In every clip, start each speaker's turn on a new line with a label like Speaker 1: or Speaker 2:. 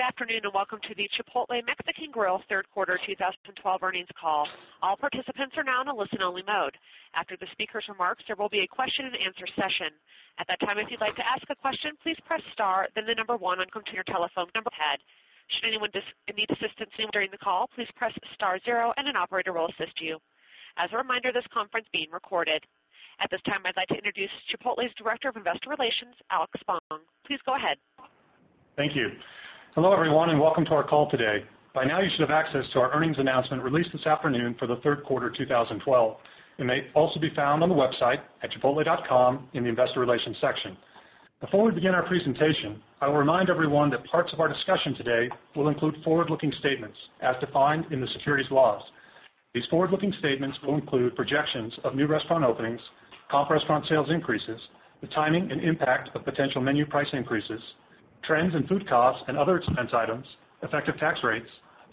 Speaker 1: Good afternoon, welcome to the Chipotle Mexican Grill third quarter 2012 earnings call. All participants are now in a listen-only mode. After the speaker's remarks, there will be a question and answer session. At that time, if you'd like to ask a question, please press star, then the number one on your telephone number pad. Should anyone need assistance during the call, please press star zero and an operator will assist you. As a reminder, this conference is being recorded. At this time, I'd like to introduce Chipotle's Director of Investor Relations, Alex Spong. Please go ahead.
Speaker 2: Thank you. Hello everyone, welcome to our call today. By now, you should have access to our earnings announcement released this afternoon for the third quarter of 2012. It may also be found on the website at chipotle.com in the investor relations section. Before we begin our presentation, I will remind everyone that parts of our discussion today will include forward-looking statements as defined in the securities laws. These forward-looking statements will include projections of new restaurant openings, comp restaurant sales increases, the timing and impact of potential menu price increases, trends in food costs, other expense items, effective tax rates,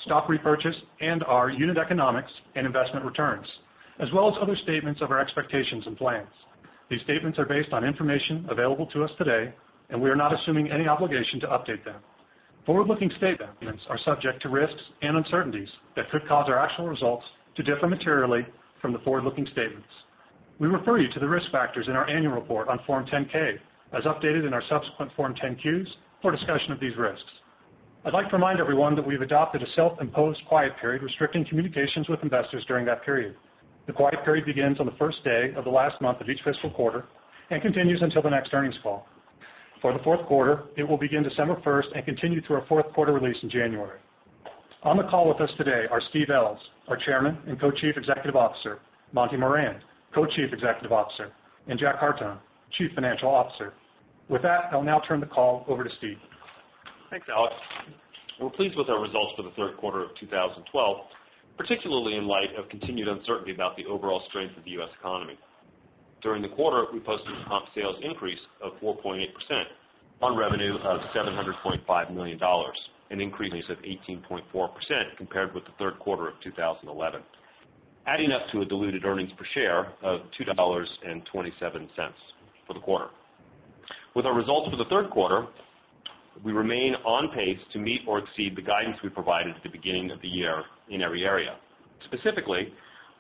Speaker 2: stock repurchase, and our unit economics and investment returns, as well as other statements of our expectations and plans. These statements are based on information available to us today, we are not assuming any obligation to update them. Forward-looking statements are subject to risks and uncertainties that could cause our actual results to differ materially from the forward-looking statements. We refer you to the risk factors in our annual report on Form 10-K as updated in our subsequent Form 10-Q for a discussion of these risks. I'd like to remind everyone that we've adopted a self-imposed quiet period restricting communications with investors during that period. The quiet period begins on the first day of the last month of each fiscal quarter and continues until the next earnings call. For the fourth quarter, it will begin December 1st and continue through our fourth quarter release in January. On the call with us today are Steve Ells, our Chairman and Co-Chief Executive Officer, Monty Moran, Co-Chief Executive Officer, and Jack Hartung, Chief Financial Officer. I'll now turn the call over to Steve.
Speaker 3: Thanks, Alex. We're pleased with our results for the third quarter of 2012, particularly in light of continued uncertainty about the overall strength of the U.S. economy. During the quarter, we posted a comp sales increase of 4.8% on revenue of $700.5 million, an increase of 18.4% compared with the third quarter of 2011, adding up to a diluted earnings per share of $2.27 for the quarter. Our results for the third quarter, we remain on pace to meet or exceed the guidance we provided at the beginning of the year in every area. Specifically,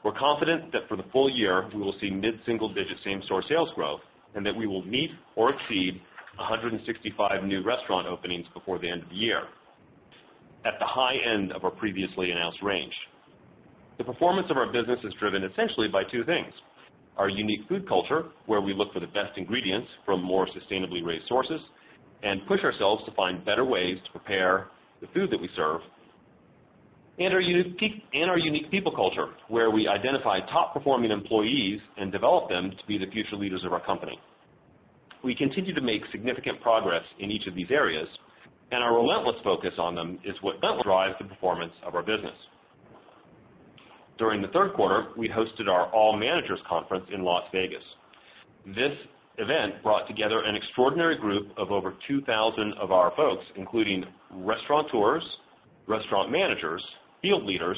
Speaker 3: we're confident that for the full year, we will see mid-single-digit same-store sales growth and that we will meet or exceed 165 new restaurant openings before the end of the year at the high end of our previously announced range. The performance of our business is driven essentially by two things: our unique food culture, where we look for the best ingredients from more sustainably raised sources and push ourselves to find better ways to prepare the food that we serve, and our unique people culture, where we identify top-performing employees and develop them to be the future leaders of our company. We continue to make significant progress in each of these areas, and our relentless focus on them is what drives the performance of our business. During the third quarter, we hosted our All Managers Conference in Las Vegas. This event brought together an extraordinary group of over 2,000 of our folks, including restaurateurs, restaurant managers, field leaders,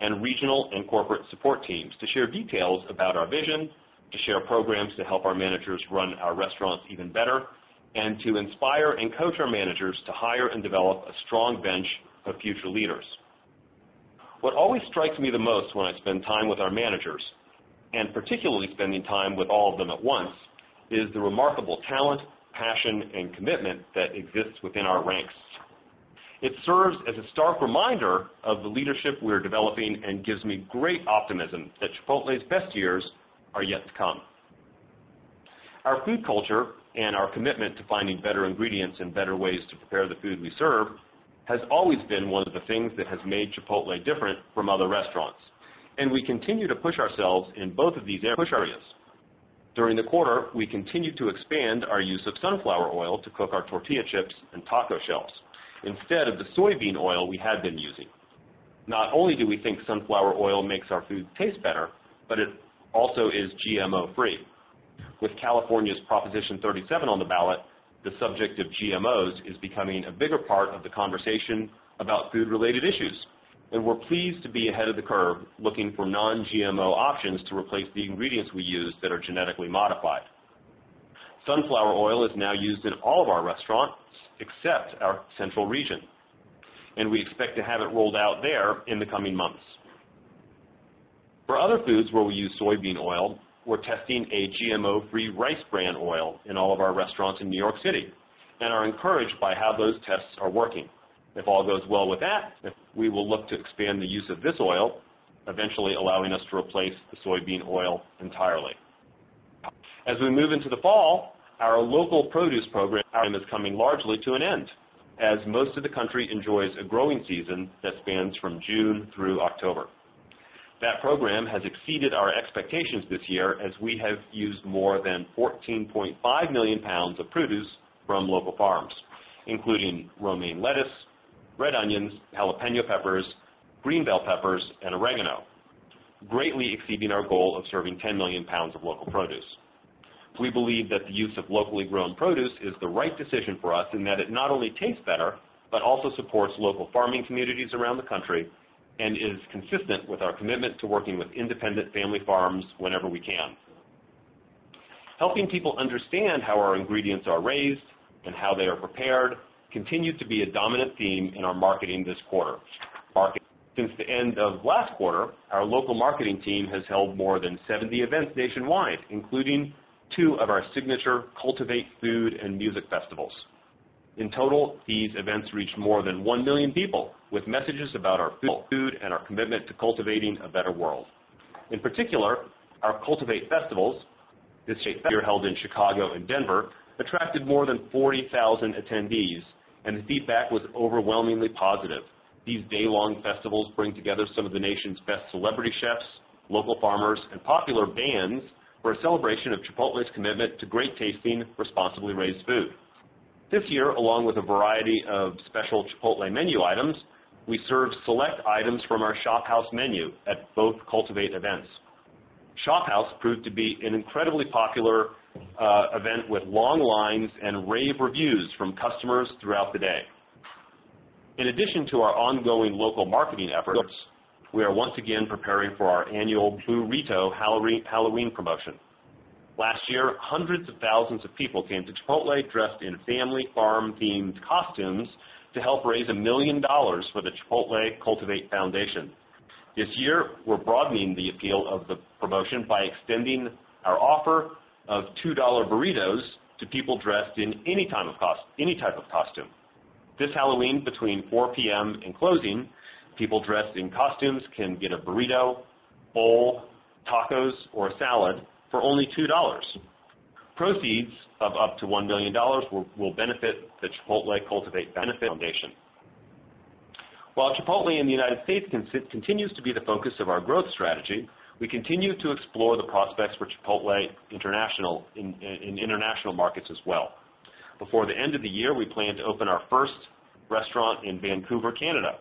Speaker 3: and regional and corporate support teams, to share details about our vision, to share programs to help our managers run our restaurants even better, and to inspire and coach our managers to hire and develop a strong bench of future leaders. What always strikes me the most when I spend time with our managers, and particularly spending time with all of them at once, is the remarkable talent, passion, and commitment that exists within our ranks. It serves as a stark reminder of the leadership we're developing and gives me great optimism that Chipotle's best years are yet to come. Our food culture and our commitment to finding better ingredients and better ways to prepare the food we serve has always been one of the things that has made Chipotle different from other restaurants. We continue to push ourselves in both of these areas. During the quarter, we continued to expand our use of sunflower oil to cook our tortilla chips and taco shells instead of the soybean oil we had been using. Not only do we think sunflower oil makes our food taste better, but it also is GMO-free. With California's Proposition 37 on the ballot, the subject of GMOs is becoming a bigger part of the conversation about food-related issues, and we're pleased to be ahead of the curve looking for non-GMO options to replace the ingredients we use that are genetically modified. Sunflower oil is now used in all of our restaurants except our central region. We expect to have it rolled out there in the coming months. For other foods where we use soybean oil, we're testing a GMO-free rice bran oil in all of our restaurants in New York City and are encouraged by how those tests are working. If all goes well with that, we will look to expand the use of this oil, eventually allowing us to replace the soybean oil entirely. As we move into the fall, our local produce program is coming largely to an end as most of the country enjoys a growing season that spans from June through October. That program has exceeded our expectations this year as we have used more than 14.5 million pounds of produce from local farms, including romaine lettuce, red onions, jalapeno peppers, green bell peppers, and oregano, greatly exceeding our goal of serving 10 million pounds of local produce. We believe that the use of locally grown produce is the right decision for us in that it not only tastes better, but also supports local farming communities around the country and is consistent with our commitment to working with independent family farms whenever we can. Helping people understand how our ingredients are raised and how they are prepared continues to be a dominant theme in our marketing this quarter. Since the end of last quarter, our local marketing team has held more than 70 events nationwide, including two of our signature Cultivate food and music festivals. In total, these events reached more than 1 million people with messages about our food and our commitment to cultivating a better world. In particular, our Cultivate festivals, this year held in Chicago and Denver, attracted more than 40,000 attendees, and the feedback was overwhelmingly positive. These day-long festivals bring together some of the nation's best celebrity chefs, local farmers, and popular bands for a celebration of Chipotle's commitment to great-tasting, responsibly raised food. This year, along with a variety of special Chipotle menu items, we served select items from our ShopHouse menu at both Cultivate events. ShopHouse proved to be an incredibly popular event with long lines and rave reviews from customers throughout the day. In addition to our ongoing local marketing efforts, we are once again preparing for our annual Boorito Halloween promotion. Last year, hundreds of thousands of people came to Chipotle dressed in family farm-themed costumes to help raise $1 million for the Chipotle Cultivate Foundation. This year, we're broadening the appeal of the promotion by extending our offer of $2 burritos to people dressed in any type of costume. This Halloween, between 4:00 P.M. and closing, people dressed in costumes can get a burrito, bowl, tacos, or a salad for only $2. Proceeds of up to $1 million will benefit the Chipotle Cultivate Foundation. While Chipotle in the U.S. continues to be the focus of our growth strategy, we continue to explore the prospects for Chipotle in international markets as well. Before the end of the year, we plan to open our first restaurant in Vancouver, Canada,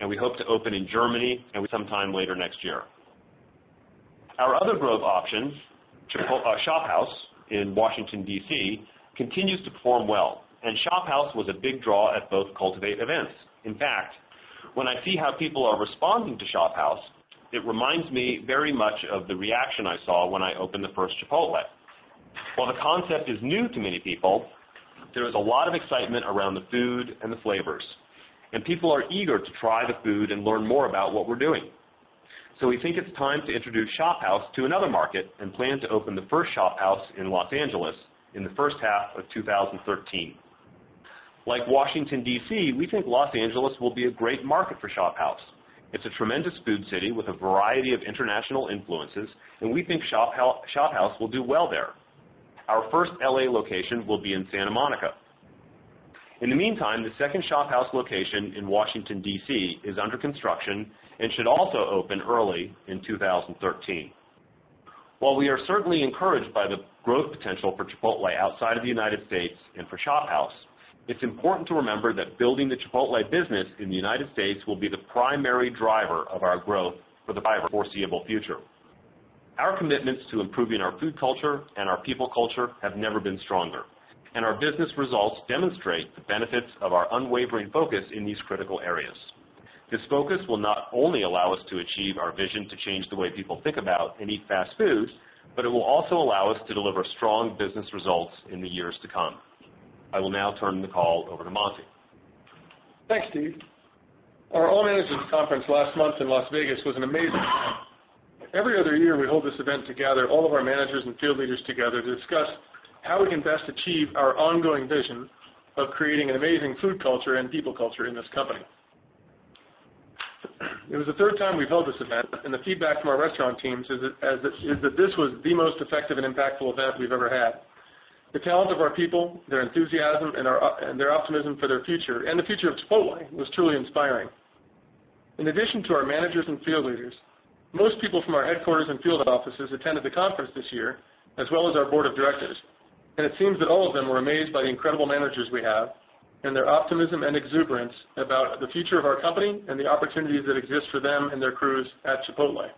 Speaker 3: and we hope to open in Germany sometime later next year. Our other growth option, ShopHouse in Washington, D.C., continues to perform well, and ShopHouse was a big draw at both Cultivate events. In fact, when I see how people are responding to ShopHouse, it reminds me very much of the reaction I saw when I opened the first Chipotle. We think it's time to introduce ShopHouse to another market and plan to open the first ShopHouse in Los Angeles in the first half of 2013. Like Washington, D.C., we think Los Angeles will be a great market for ShopHouse. It's a tremendous food city with a variety of international influences, and we think ShopHouse will do well there. Our first L.A. location will be in Santa Monica. In the meantime, the second ShopHouse location in Washington, D.C., is under construction and should also open early in 2013. While we are certainly encouraged by the growth potential for Chipotle outside of the United States and for ShopHouse, it's important to remember that building the Chipotle business in the United States will be the primary driver of our growth for the foreseeable future. Our commitments to improving our food culture and our people culture have never been stronger, and our business results demonstrate the benefits of our unwavering focus in these critical areas. This focus will not only allow us to achieve our vision to change the way people think about and eat fast food, but it will also allow us to deliver strong business results in the years to come. I will now turn the call over to Monty.
Speaker 4: Thanks, Steve. Our All Managers Conference last month in Las Vegas was an amazing time. Every other year, we hold this event to gather all of our managers and field leaders together to discuss how we can best achieve our ongoing vision of creating an amazing food culture and people culture in this company. It was the third time we've held this event, and the feedback from our restaurant teams is that this was the most effective and impactful event we've ever had. The talent of our people, their enthusiasm, and their optimism for their future and the future of Chipotle was truly inspiring. In addition to our managers and field leaders, most people from our headquarters and field offices attended the conference this year, as well as our board of directors, and it seems that all of them were amazed by the incredible managers we have and their optimism and exuberance about the future of our company and the opportunities that exist for them and their crews at Chipotle.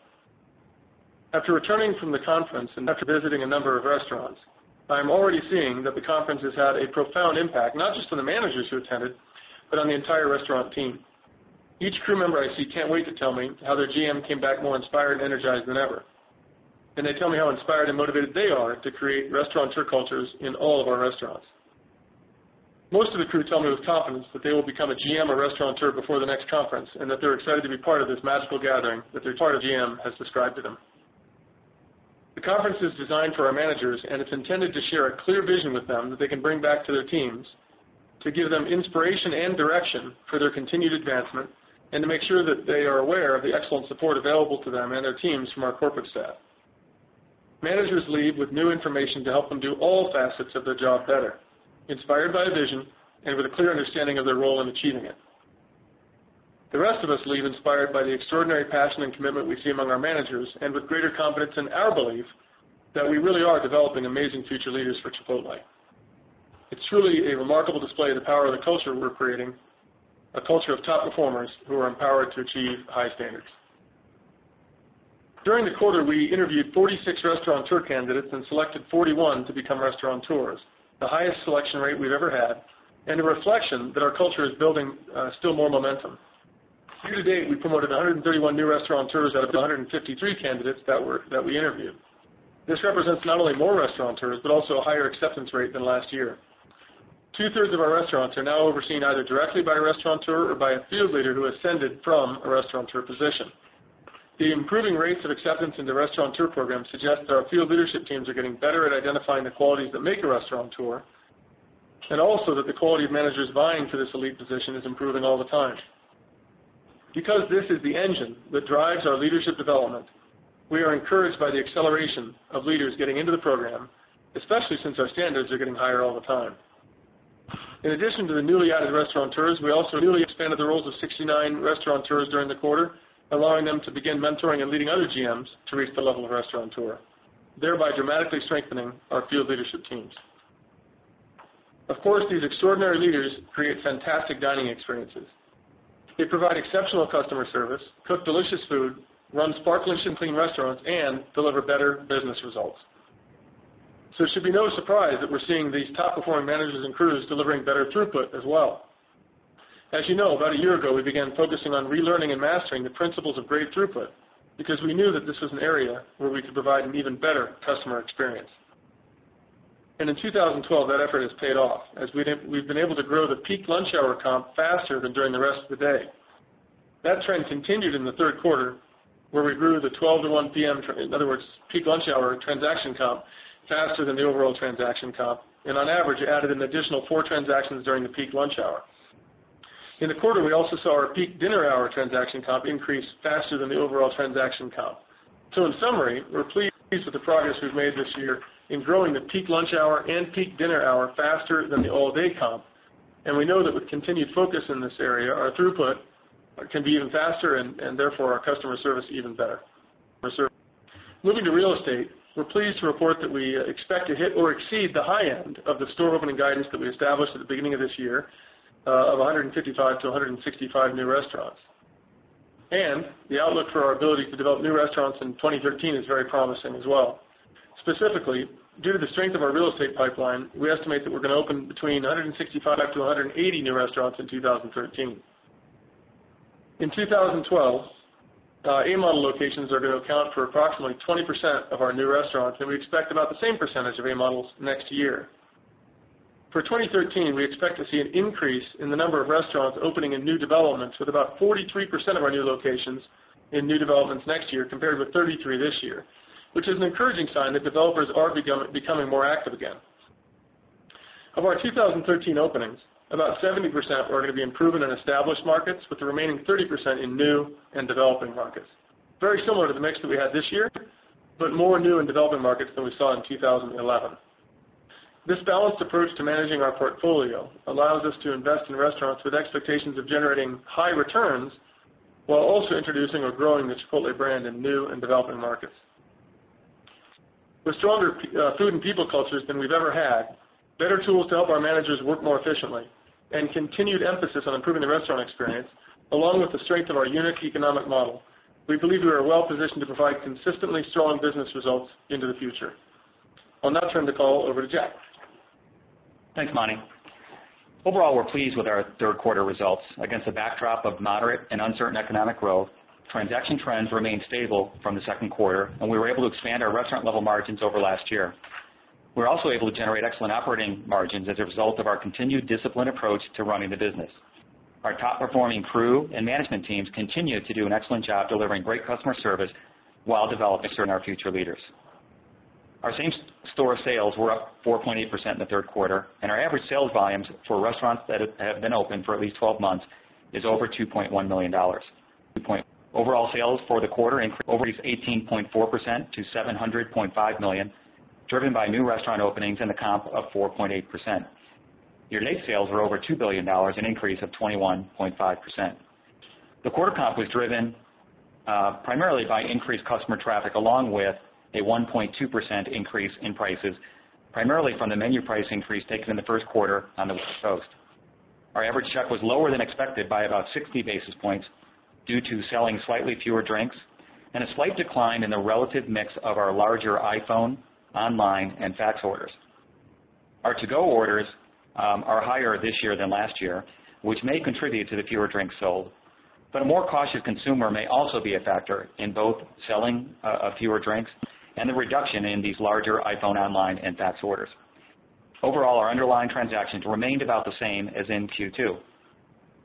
Speaker 4: After returning from the conference and after visiting a number of restaurants, I'm already seeing that the conference has had a profound impact, not just on the managers who attended, but on the entire restaurant team. Each crew member I see can't wait to tell me how their GM came back more inspired and energized than ever, and they tell me how inspired and motivated they are to create Restaurateur cultures in all of our restaurants. Most of the crew tell me with confidence that they will become a GM or Restaurateur before the next conference, and that they're excited to be part of this magical gathering that their GM has described to them. The conference is designed for our managers, and it's intended to share a clear vision with them that they can bring back to their teams to give them inspiration and direction for their continued advancement, and to make sure that they are aware of the excellent support available to them and their teams from our corporate staff. Managers leave with new information to help them do all facets of their job better, inspired by a vision and with a clear understanding of their role in achieving it. The rest of us leave inspired by the extraordinary passion and commitment we see among our managers and with greater confidence in our belief that we really are developing amazing future leaders for Chipotle. It's truly a remarkable display of the power of the culture we're creating, a culture of top performers who are empowered to achieve high standards. During the quarter, we interviewed 46 Restaurateur candidates and selected 41 to become Restaurateurs, the highest selection rate we've ever had, and a reflection that our culture is building still more momentum. Year-to-date, we promoted 131 new Restaurateurs out of the 153 candidates that we interviewed. This represents not only more Restaurateurs, but also a higher acceptance rate than last year. Two-thirds of our restaurants are now overseen either directly by a Restaurateur or by a field leader who ascended from a Restaurateur position. The improving rates of acceptance in the Restaurateur program suggest that our field leadership teams are getting better at identifying the qualities that make a Restaurateur, and also that the quality of managers vying for this elite position is improving all the time. Because this is the engine that drives our leadership development, we are encouraged by the acceleration of leaders getting into the program, especially since our standards are getting higher all the time. In addition to the newly added Restaurateurs, we also newly expanded the roles of 69 Restaurateurs during the quarter, allowing them to begin mentoring and leading other GMs to reach the level of Restaurateur, thereby dramatically strengthening our field leadership teams. Of course, these extraordinary leaders create fantastic dining experiences. They provide exceptional customer service, cook delicious food, run sparkling clean restaurants, and deliver better business results. It should be no surprise that we're seeing these top-performing managers and crews delivering better throughput as well. As you know, about a year ago, we began focusing on relearning and mastering the principles of great throughput because we knew that this was an area where we could provide an even better customer experience. In 2012, that effort has paid off as we've been able to grow the peak lunch hour comp faster than during the rest of the day. That trend continued in the third quarter, where we grew the 12:00 to 1:00 P.M., in other words, peak lunch hour transaction comp, faster than the overall transaction comp, and on average, added an additional four transactions during the peak lunch hour. In the quarter, we also saw our peak dinner hour transaction comp increase faster than the overall transaction comp. In summary, we're pleased with the progress we've made this year in growing the peak lunch hour and peak dinner hour faster than the all-day comp, and we know that with continued focus in this area, our throughput can be even faster and therefore our customer service even better. Moving to real estate, we're pleased to report that we expect to hit or exceed the high end of the store opening guidance that we established at the beginning of this year of 155 to 165 new restaurants. The outlook for our ability to develop new restaurants in 2013 is very promising as well. Specifically, due to the strength of our real estate pipeline, we estimate that we're going to open between 165 up to 180 new restaurants in 2013. In 2012, A Model locations are going to account for approximately 20% of our new restaurants, and we expect about the same percentage of A Models next year. For 2013, we expect to see an increase in the number of restaurants opening in new developments with about 43% of our new locations in new developments next year compared with 33% this year, which is an encouraging sign that developers are becoming more active again. Of our 2013 openings, about 70% are going to be improvement in established markets, with the remaining 30% in new and developing markets. Very similar to the mix that we had this year, but more new and developing markets than we saw in 2011. This balanced approach to managing our portfolio allows us to invest in restaurants with expectations of generating high returns while also introducing or growing the Chipotle brand in new and developing markets. With stronger food and people cultures than we've ever had, better tools to help our managers work more efficiently, and continued emphasis on improving the restaurant experience, along with the strength of our unique economic model, we believe we are well-positioned to provide consistently strong business results into the future. I'll now turn the call over to Jack.
Speaker 5: Thanks, Monty. Overall, we're pleased with our third quarter results against a backdrop of moderate and uncertain economic growth. Transaction trends remained stable from the second quarter. We were able to expand our restaurant level margins over last year. We were also able to generate excellent operating margins as a result of our continued disciplined approach to running the business. Our top-performing crew and management teams continue to do an excellent job delivering great customer service while developing certain future leaders. Our same store sales were up 4.8% in the third quarter, and our average sales volumes for restaurants that have been open for at least 12 months is over $2.1 million. Overall sales for the quarter increased 18.4% to $700.5 million, driven by new restaurant openings and a comp of 4.8%. Year-to-date sales were over $2 billion, an increase of 21.5%. The quarter comp was driven primarily by increased customer traffic, along with a 1.2% increase in prices, primarily from the menu price increase taken in the first quarter on the West Coast. Our average check was lower than expected by about 60 basis points due to selling slightly fewer drinks and a slight decline in the relative mix of our larger iPhone, online, and fax orders. Our to-go orders are higher this year than last year, which may contribute to the fewer drinks sold. A more cautious consumer may also be a factor in both selling of fewer drinks and the reduction in these larger iPhone, online, and fax orders. Overall, our underlying transactions remained about the same as in Q2.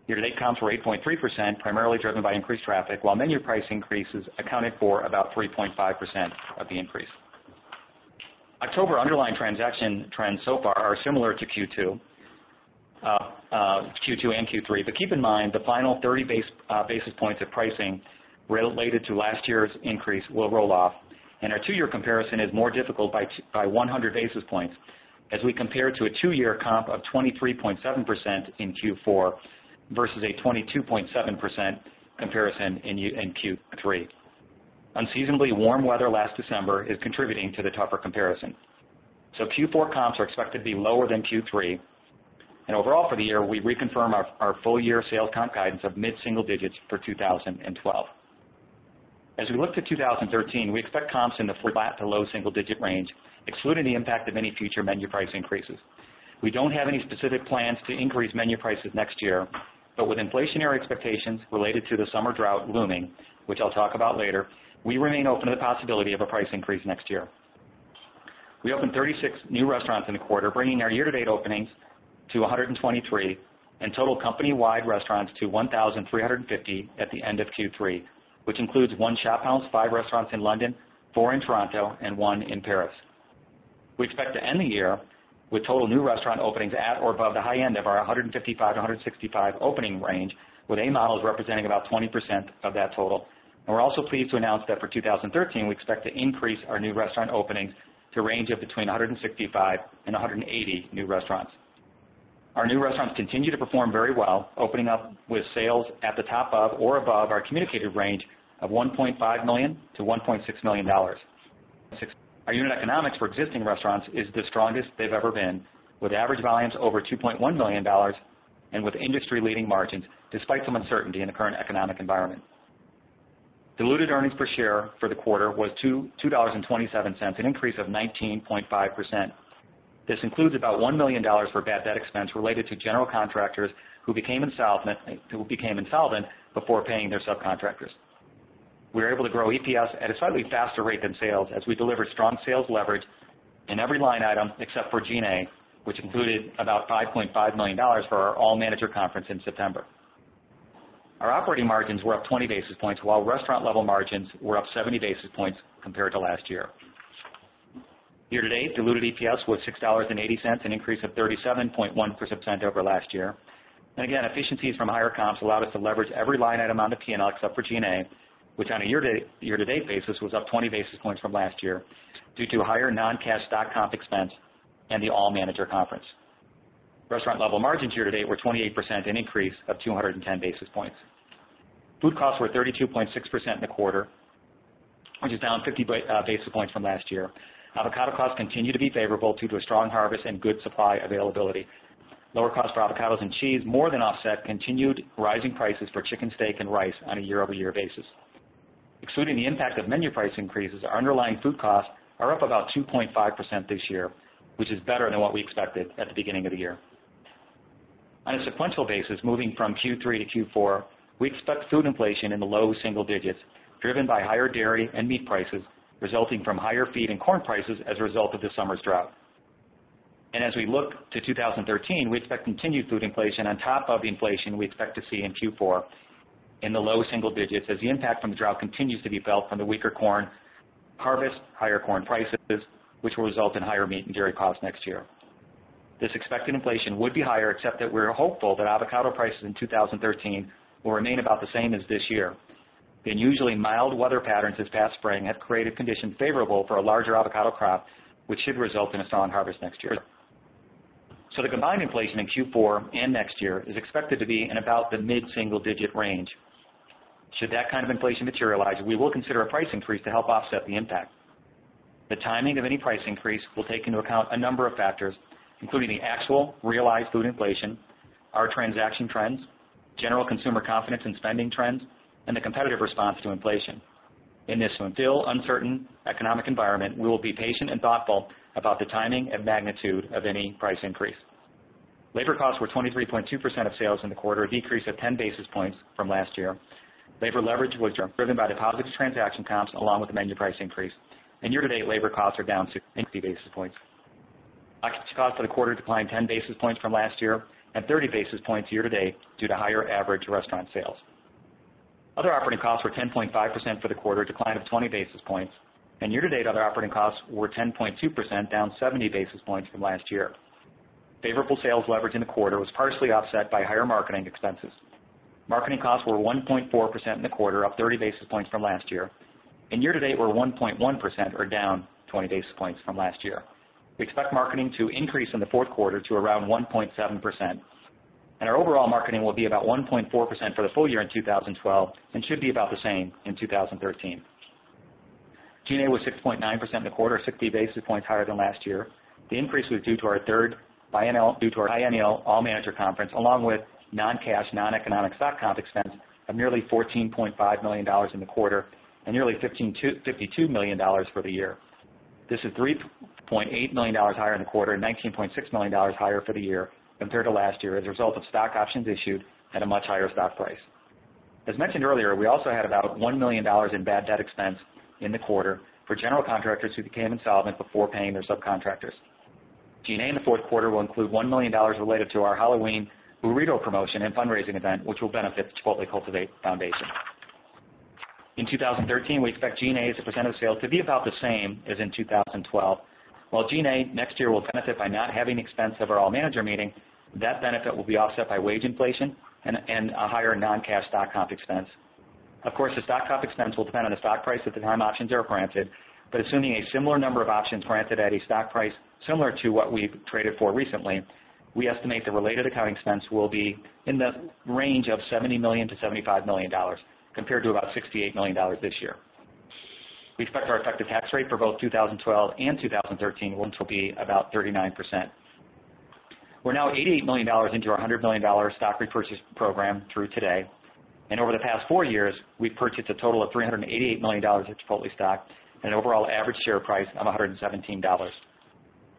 Speaker 5: Year-to-date comps were 8.3%, primarily driven by increased traffic, while menu price increases accounted for about 3.5% of the increase. October underlying transaction trends so far are similar to Q2 and Q3. Keep in mind, the final 30 basis points of pricing related to last year's increase will roll off, and our two-year comparison is more difficult by 100 basis points as we compare to a two-year comp of 23.7% in Q4 versus a 22.7% comparison in Q3. Unseasonably warm weather last December is contributing to the tougher comparison. Q4 comps are expected to be lower than Q3. Overall for the year, we reconfirm our full-year sales comp guidance of mid-single digits for 2012. As we look to 2013, we expect comps in the flat to low single-digit range, excluding the impact of any future menu price increases. We don't have any specific plans to increase menu prices next year, with inflationary expectations related to the summer drought looming, which I'll talk about later, we remain open to the possibility of a price increase next year. We opened 36 new restaurants in the quarter, bringing our year-to-date openings to 123, and total company-wide restaurants to 1,350 at the end of Q3, which includes one ShopHouse, five restaurants in London, four in Toronto, and one in Paris. We expect to end the year with total new restaurant openings at or above the high end of our 155 to 165 opening range, with A Models representing about 20% of that total. We're also pleased to announce that for 2013, we expect to increase our new restaurant openings to range of between 165 and 180 new restaurants. Our new restaurants continue to perform very well, opening up with sales at the top of or above our communicated range of $1.5 million-$1.6 million. Our unit economics for existing restaurants is the strongest they've ever been, with average volumes over $2.1 million and with industry-leading margins, despite some uncertainty in the current economic environment. Diluted earnings per share for the quarter was $2.27, an increase of 19.5%. This includes about $1 million for bad debt expense related to general contractors who became insolvent before paying their subcontractors. We were able to grow EPS at a slightly faster rate than sales, as we delivered strong sales leverage in every line item except for G&A, which included about $5.5 million for our All Managers Conference in September. Our operating margins were up 20 basis points, while restaurant level margins were up 70 basis points compared to last year. Year-to-date, diluted EPS was $6.80, an increase of 37.1% over last year. Again, efficiencies from higher comps allowed us to leverage every line item on the P&L except for G&A, which on a year-to-date basis, was up 20 basis points from last year due to higher non-cash stock comp expense and the All Managers Conference. Restaurant level margins year-to-date were 28%, an increase of 210 basis points. Food costs were 32.6% in the quarter, which is down 50 basis points from last year. Avocado costs continue to be favorable due to a strong harvest and good supply availability. Lower cost for avocados and cheese more than offset continued rising prices for chicken, steak, and rice on a year-over-year basis. Excluding the impact of menu price increases, our underlying food costs are up about 2.5% this year, which is better than what we expected at the beginning of the year. On a sequential basis, moving from Q3 to Q4, we expect food inflation in the low single digits, driven by higher dairy and meat prices, resulting from higher feed and corn prices as a result of this summer's drought. As we look to 2013, we expect continued food inflation on top of inflation we expect to see in Q4 in the low single digits, as the impact from the drought continues to be felt from the weaker corn harvest, higher corn prices, which will result in higher meat and dairy costs next year. This expected inflation would be higher, except that we're hopeful that avocado prices in 2013 will remain about the same as this year. The unusually mild weather patterns this past spring have created conditions favorable for a larger avocado crop, which should result in a strong harvest next year. The combined inflation in Q4 and next year is expected to be in about the mid-single digit range. Should that kind of inflation materialize, we will consider a price increase to help offset the impact. The timing of any price increase will take into account a number of factors, including the actual realized food inflation, our transaction trends, general consumer confidence in spending trends, and the competitive response to inflation. In this still uncertain economic environment, we will be patient and thoughtful about the timing and magnitude of any price increase. Labor costs were 23.2% of sales in the quarter, a decrease of 10 basis points from last year. Labor leverage was driven by the positive transaction comps along with the menu price increase. Year-to-date, labor costs are down 60 basis points. Occupancy costs for the quarter declined 10 basis points from last year, 30 basis points year-to-date, due to higher average restaurant sales. Other operating costs were 10.5% for the quarter, a decline of 20 basis points. Year-to-date, other operating costs were 10.2%, down 70 basis points from last year. Favorable sales leverage in the quarter was partially offset by higher marketing expenses. Marketing costs were 1.4% in the quarter, up 30 basis points from last year. Year-to-date were 1.1%, or down 20 basis points from last year. We expect marketing to increase in the fourth quarter to around 1.7%, and our overall marketing will be about 1.4% for the full year in 2012, and should be about the same in 2013. G&A was 6.9% in the quarter, 60 basis points higher than last year. The increase was due to our biennial All Managers Conference, along with non-cash, non-economic stock comp expense of nearly $14.5 million in the quarter, and nearly $52 million for the year. This is $3.8 million higher in the quarter, and $19.6 million higher for the year compared to last year as a result of stock options issued at a much higher stock price. As mentioned earlier, we also had about $1 million in bad debt expense in the quarter for general contractors who became insolvent before paying their subcontractors. G&A in the fourth quarter will include $1 million related to our Boorito promotion and fundraising event, which will benefit the Chipotle Cultivate Foundation. In 2013, we expect G&A as a percent of sales to be about the same as in 2012. While G&A next year will benefit by not having expense of our All Manager Meeting, that benefit will be offset by wage inflation and a higher non-cash stock comp expense. Of course, the stock comp expense will depend on the stock price at the time options are granted, but assuming a similar number of options granted at a stock price similar to what we've traded for recently, we estimate the related accounting expense will be in the range of $70 million-$75 million, compared to about $68 million this year. We expect our effective tax rate for both 2012 and 2013 will be about 39%. We're now $88 million into our $100 million stock repurchase program through today. Over the past four years, we've purchased a total of $388 million of Chipotle stock at an overall average share price of $117.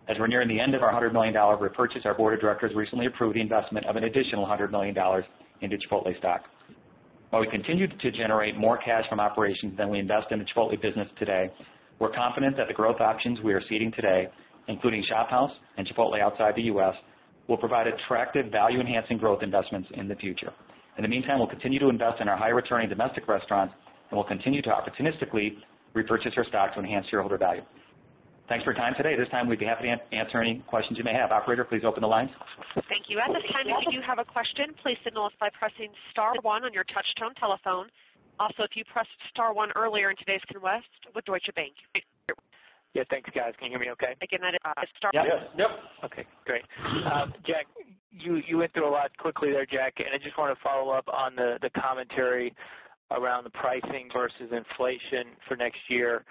Speaker 5: As we're nearing the end of our $100 million repurchase, our board of directors recently approved the investment of an additional $100 million into Chipotle stock. While we continue to generate more cash from operations than we invest in the Chipotle business today, we're confident that the growth options we are seeding today, including ShopHouse and Chipotle outside the U.S., will provide attractive value-enhancing growth investments in the future. In the meantime, we'll continue to invest in our high-returning domestic restaurants, and we'll continue to opportunistically repurchase our stock to enhance shareholder value. Thanks for your time today. At this time, we'd be happy to answer any questions you may have. Operator, please open the lines.
Speaker 1: Thank you. At this time, if you have a question, please signal us by pressing *1 on your touch-tone telephone. Also, if you pressed *1 earlier in today's request with Deutsche Bank.
Speaker 6: Yeah, thanks, guys. Can you hear me okay?
Speaker 1: Again, that is one.
Speaker 5: Yes.
Speaker 3: Yep.
Speaker 6: Okay, great. Jack, you went through a lot quickly there, Jack, I just want to follow up on the commentary around the pricing versus inflation for next year.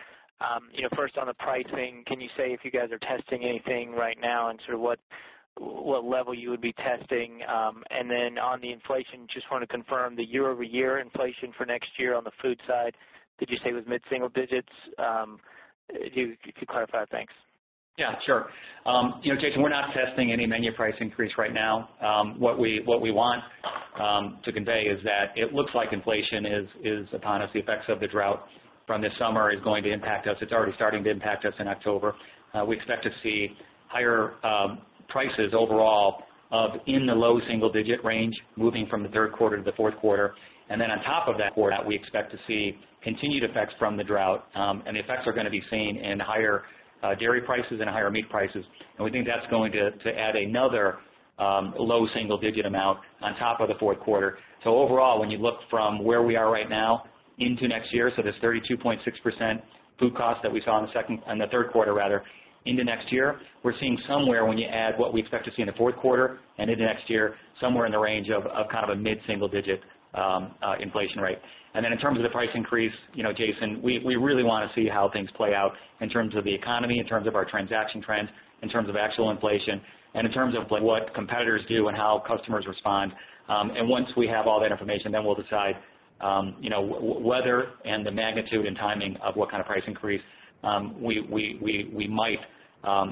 Speaker 6: First on the pricing, can you say if you guys are testing anything right now and sort of what level you would be testing? Then on the inflation, just want to confirm the year-over-year inflation for next year on the food side, did you say it was mid-single digits? If you could clarify, thanks.
Speaker 5: Yeah, sure. Jason, we are not testing any menu price increase right now. What we want to convey is that it looks like inflation is upon us. The effects of the drought from this summer is going to impact us. It is already starting to impact us in October. We expect to see higher prices overall in the low single-digit range, moving from the third quarter to the fourth quarter. Then on top of that quarter, we expect to see continued effects from the drought. The effects are going to be seen in higher dairy prices and higher meat prices. We think that is going to add another low single-digit amount on top of the fourth quarter. Overall, when you look from where we are right now into next year, this 32.6% food cost that we saw in the third quarter, into next year, we are seeing somewhere when you add what we expect to see in the fourth quarter and into next year, somewhere in the range of a mid-single digit inflation rate. Then in terms of the price increase, Jason, we really want to see how things play out in terms of the economy, in terms of our transaction trends, in terms of actual inflation, and in terms of what competitors do and how customers respond. Once we have all that information, then we will decide whether and the magnitude and timing of what kind of price increase we might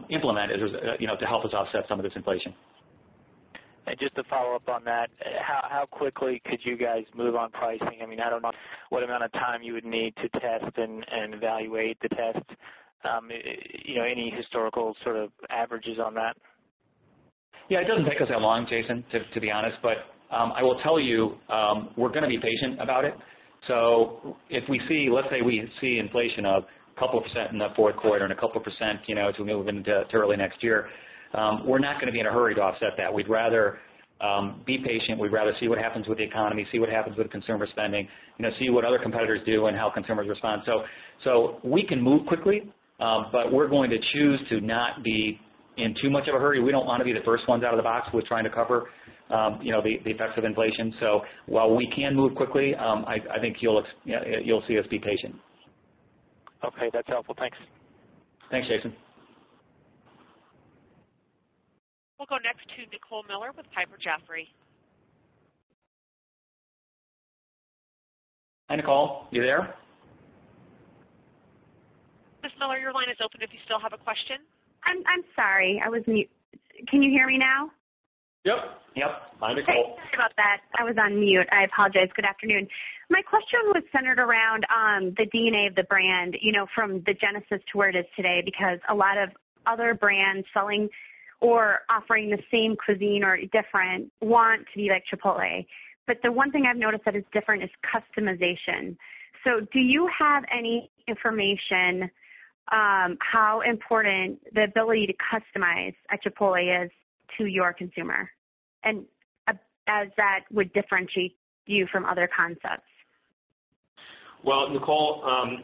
Speaker 5: implement to help us offset some of this inflation.
Speaker 6: Just to follow up on that, how quickly could you guys move on pricing? I don't know what amount of time you would need to test and evaluate the tests. Any historical sort of averages on that?
Speaker 5: Yeah, it doesn't take us that long, Jason, to be honest, but I will tell you, we're going to be patient about it. Let's say we see inflation of a couple of % in the fourth quarter and a couple of % to move into early next year. We're not going to be in a hurry to offset that. We'd rather be patient. We'd rather see what happens with the economy, see what happens with consumer spending, see what other competitors do and how consumers respond. We can move quickly, but we're going to choose to not be in too much of a hurry. We don't want to be the first ones out of the box with trying to cover the effects of inflation. While we can move quickly, I think you'll see us be patient.
Speaker 6: Okay, that's helpful. Thanks.
Speaker 5: Thanks, Jason.
Speaker 1: We'll go next to Nicole Miller with Piper Jaffray.
Speaker 5: Hi, Nicole. You there?
Speaker 1: Ms. Miller, your line is open if you still have a question.
Speaker 7: I'm sorry. I was mute. Can you hear me now?
Speaker 5: Yep.
Speaker 3: Yep. Hi, Nicole.
Speaker 7: Sorry about that. I was on mute, I apologize. Good afternoon. My question was centered around the DNA of the brand, from the genesis to where it is today, because a lot of other brands selling or offering the same cuisine or different want to be like Chipotle. The one thing I've noticed that is different is customization. Do you have any information how important the ability to customize at Chipotle is to your consumer, and as that would differentiate you from other concepts?
Speaker 3: Well, Nicole,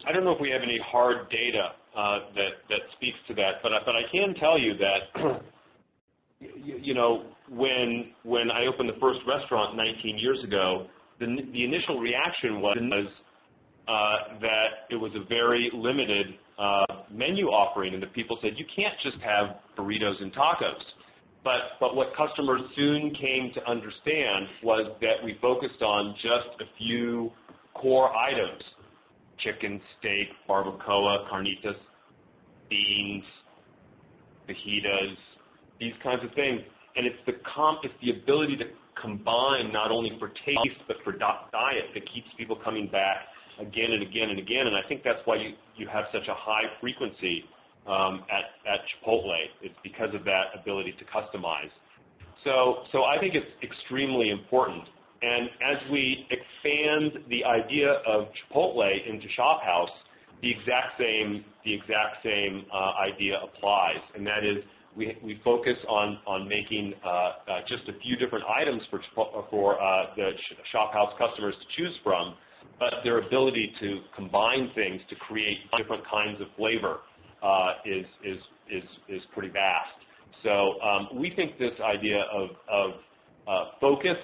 Speaker 3: I don't know if we have any hard data that speaks to that. I can tell you that when I opened the first restaurant 19 years ago, the initial reaction was that it was a very limited menu offering and the people said, "You can't just have burritos and tacos." What customers soon came to understand was that we focused on just a few core items: chicken, steak, barbacoa, carnitas, beans, fajitas, these kinds of things. It's the ability to combine not only for taste but for diet that keeps people coming back again and again and again. I think that's why you have such a high frequency at Chipotle. It's because of that ability to customize. I think it's extremely important. As we expand the idea of Chipotle into ShopHouse, the exact same idea applies, and that is we focus on making just a few different items for the ShopHouse customers to choose from, their ability to combine things to create different kinds of flavor is pretty vast. We think this idea of focus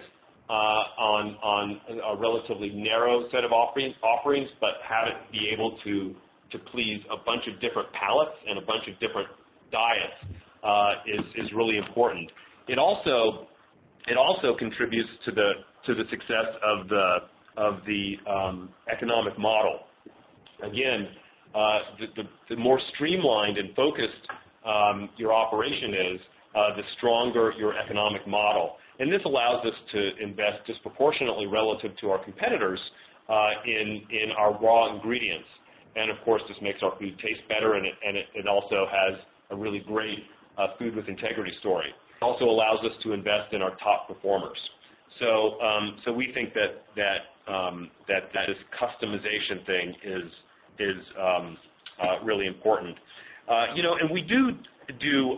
Speaker 3: on a relatively narrow set of offerings, but have it be able to please a bunch of different palates and a bunch of different diets is really important. It also contributes to the success of the economic model. Again, the more streamlined and focused your operation is, the stronger your economic model. This allows us to invest disproportionately relative to our competitors in our raw ingredients. Of course, this makes our food taste better, and it also has a really great Food with Integrity story. It also allows us to invest in our top performers. We think that this customization thing is really important. We do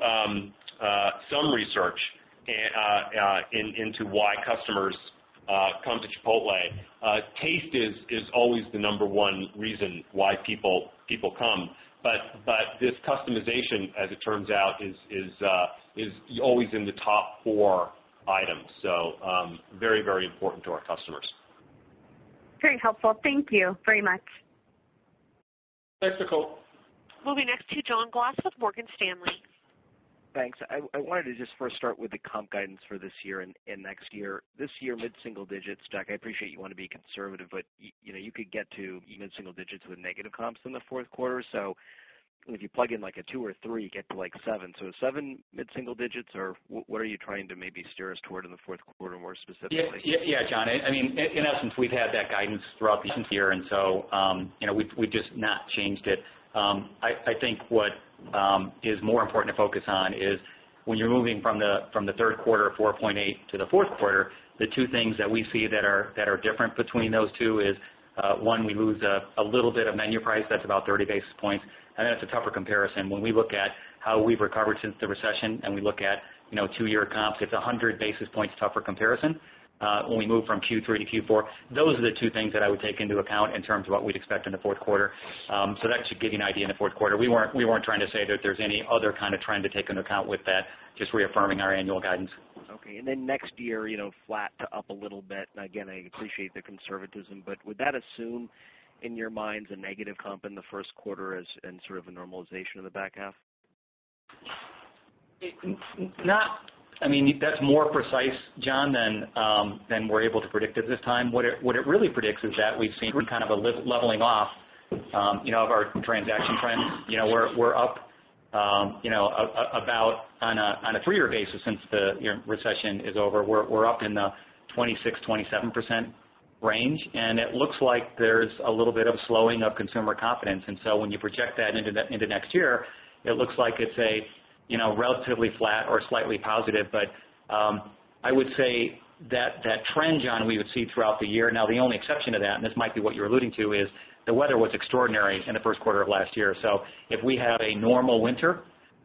Speaker 3: some research into why customers come to Chipotle. Taste is always the number 1 reason why people come, but this customization, as it turns out, is always in the top four items. Very important to our customers.
Speaker 1: Very helpful. Thank you very much.
Speaker 4: Thanks, Nicole.
Speaker 1: Moving next to John Glass with Morgan Stanley.
Speaker 8: Thanks. I wanted to just first start with the comp guidance for this year and next year. This year, mid-single digits. Jack, I appreciate you want to be conservative, you could get to even single digits with negative comps in the fourth quarter. If you plug in a two or three, you get to seven. Seven mid-single digits, or what are you trying to maybe steer us toward in the fourth quarter, more specifically?
Speaker 5: Yeah. John, in essence, we've had that guidance throughout the year, we've just not changed it. I think what is more important to focus on is when you're moving from the third quarter 4.8 to the fourth quarter, the two things that we see that are different between those two is, one, we lose a little bit of menu price. That's about 30 basis points, that's a tougher comparison. When we look at how we've recovered since the recession, we look at two-year comps, it's 100 basis points tougher comparison when we move from Q3 to Q4. Those are the two things that I would take into account in terms of what we'd expect in the fourth quarter. That should give you an idea in the fourth quarter.
Speaker 3: We weren't trying to say that there's any other kind of trend to take into account with that, just reaffirming our annual guidance.
Speaker 8: Okay. Next year, flat to up a little bit. Again, I appreciate the conservatism, but would that assume, in your minds, a negative comp in the first quarter and sort of a normalization in the back half?
Speaker 5: That's more precise, John, than we're able to predict at this time. What it really predicts is that we've seen kind of a leveling off of our transaction trends. We're up about on a three-year basis since the recession is over. We're up in the 26%-27% range. It looks like there's a little bit of slowing of consumer confidence. So when you project that into next year, it looks like it's relatively flat or slightly positive. I would say that trend, John, we would see throughout the year. Now, the only exception to that, and this might be what you're alluding to, is the weather was extraordinary in the first quarter of last year. So if we have a normal winter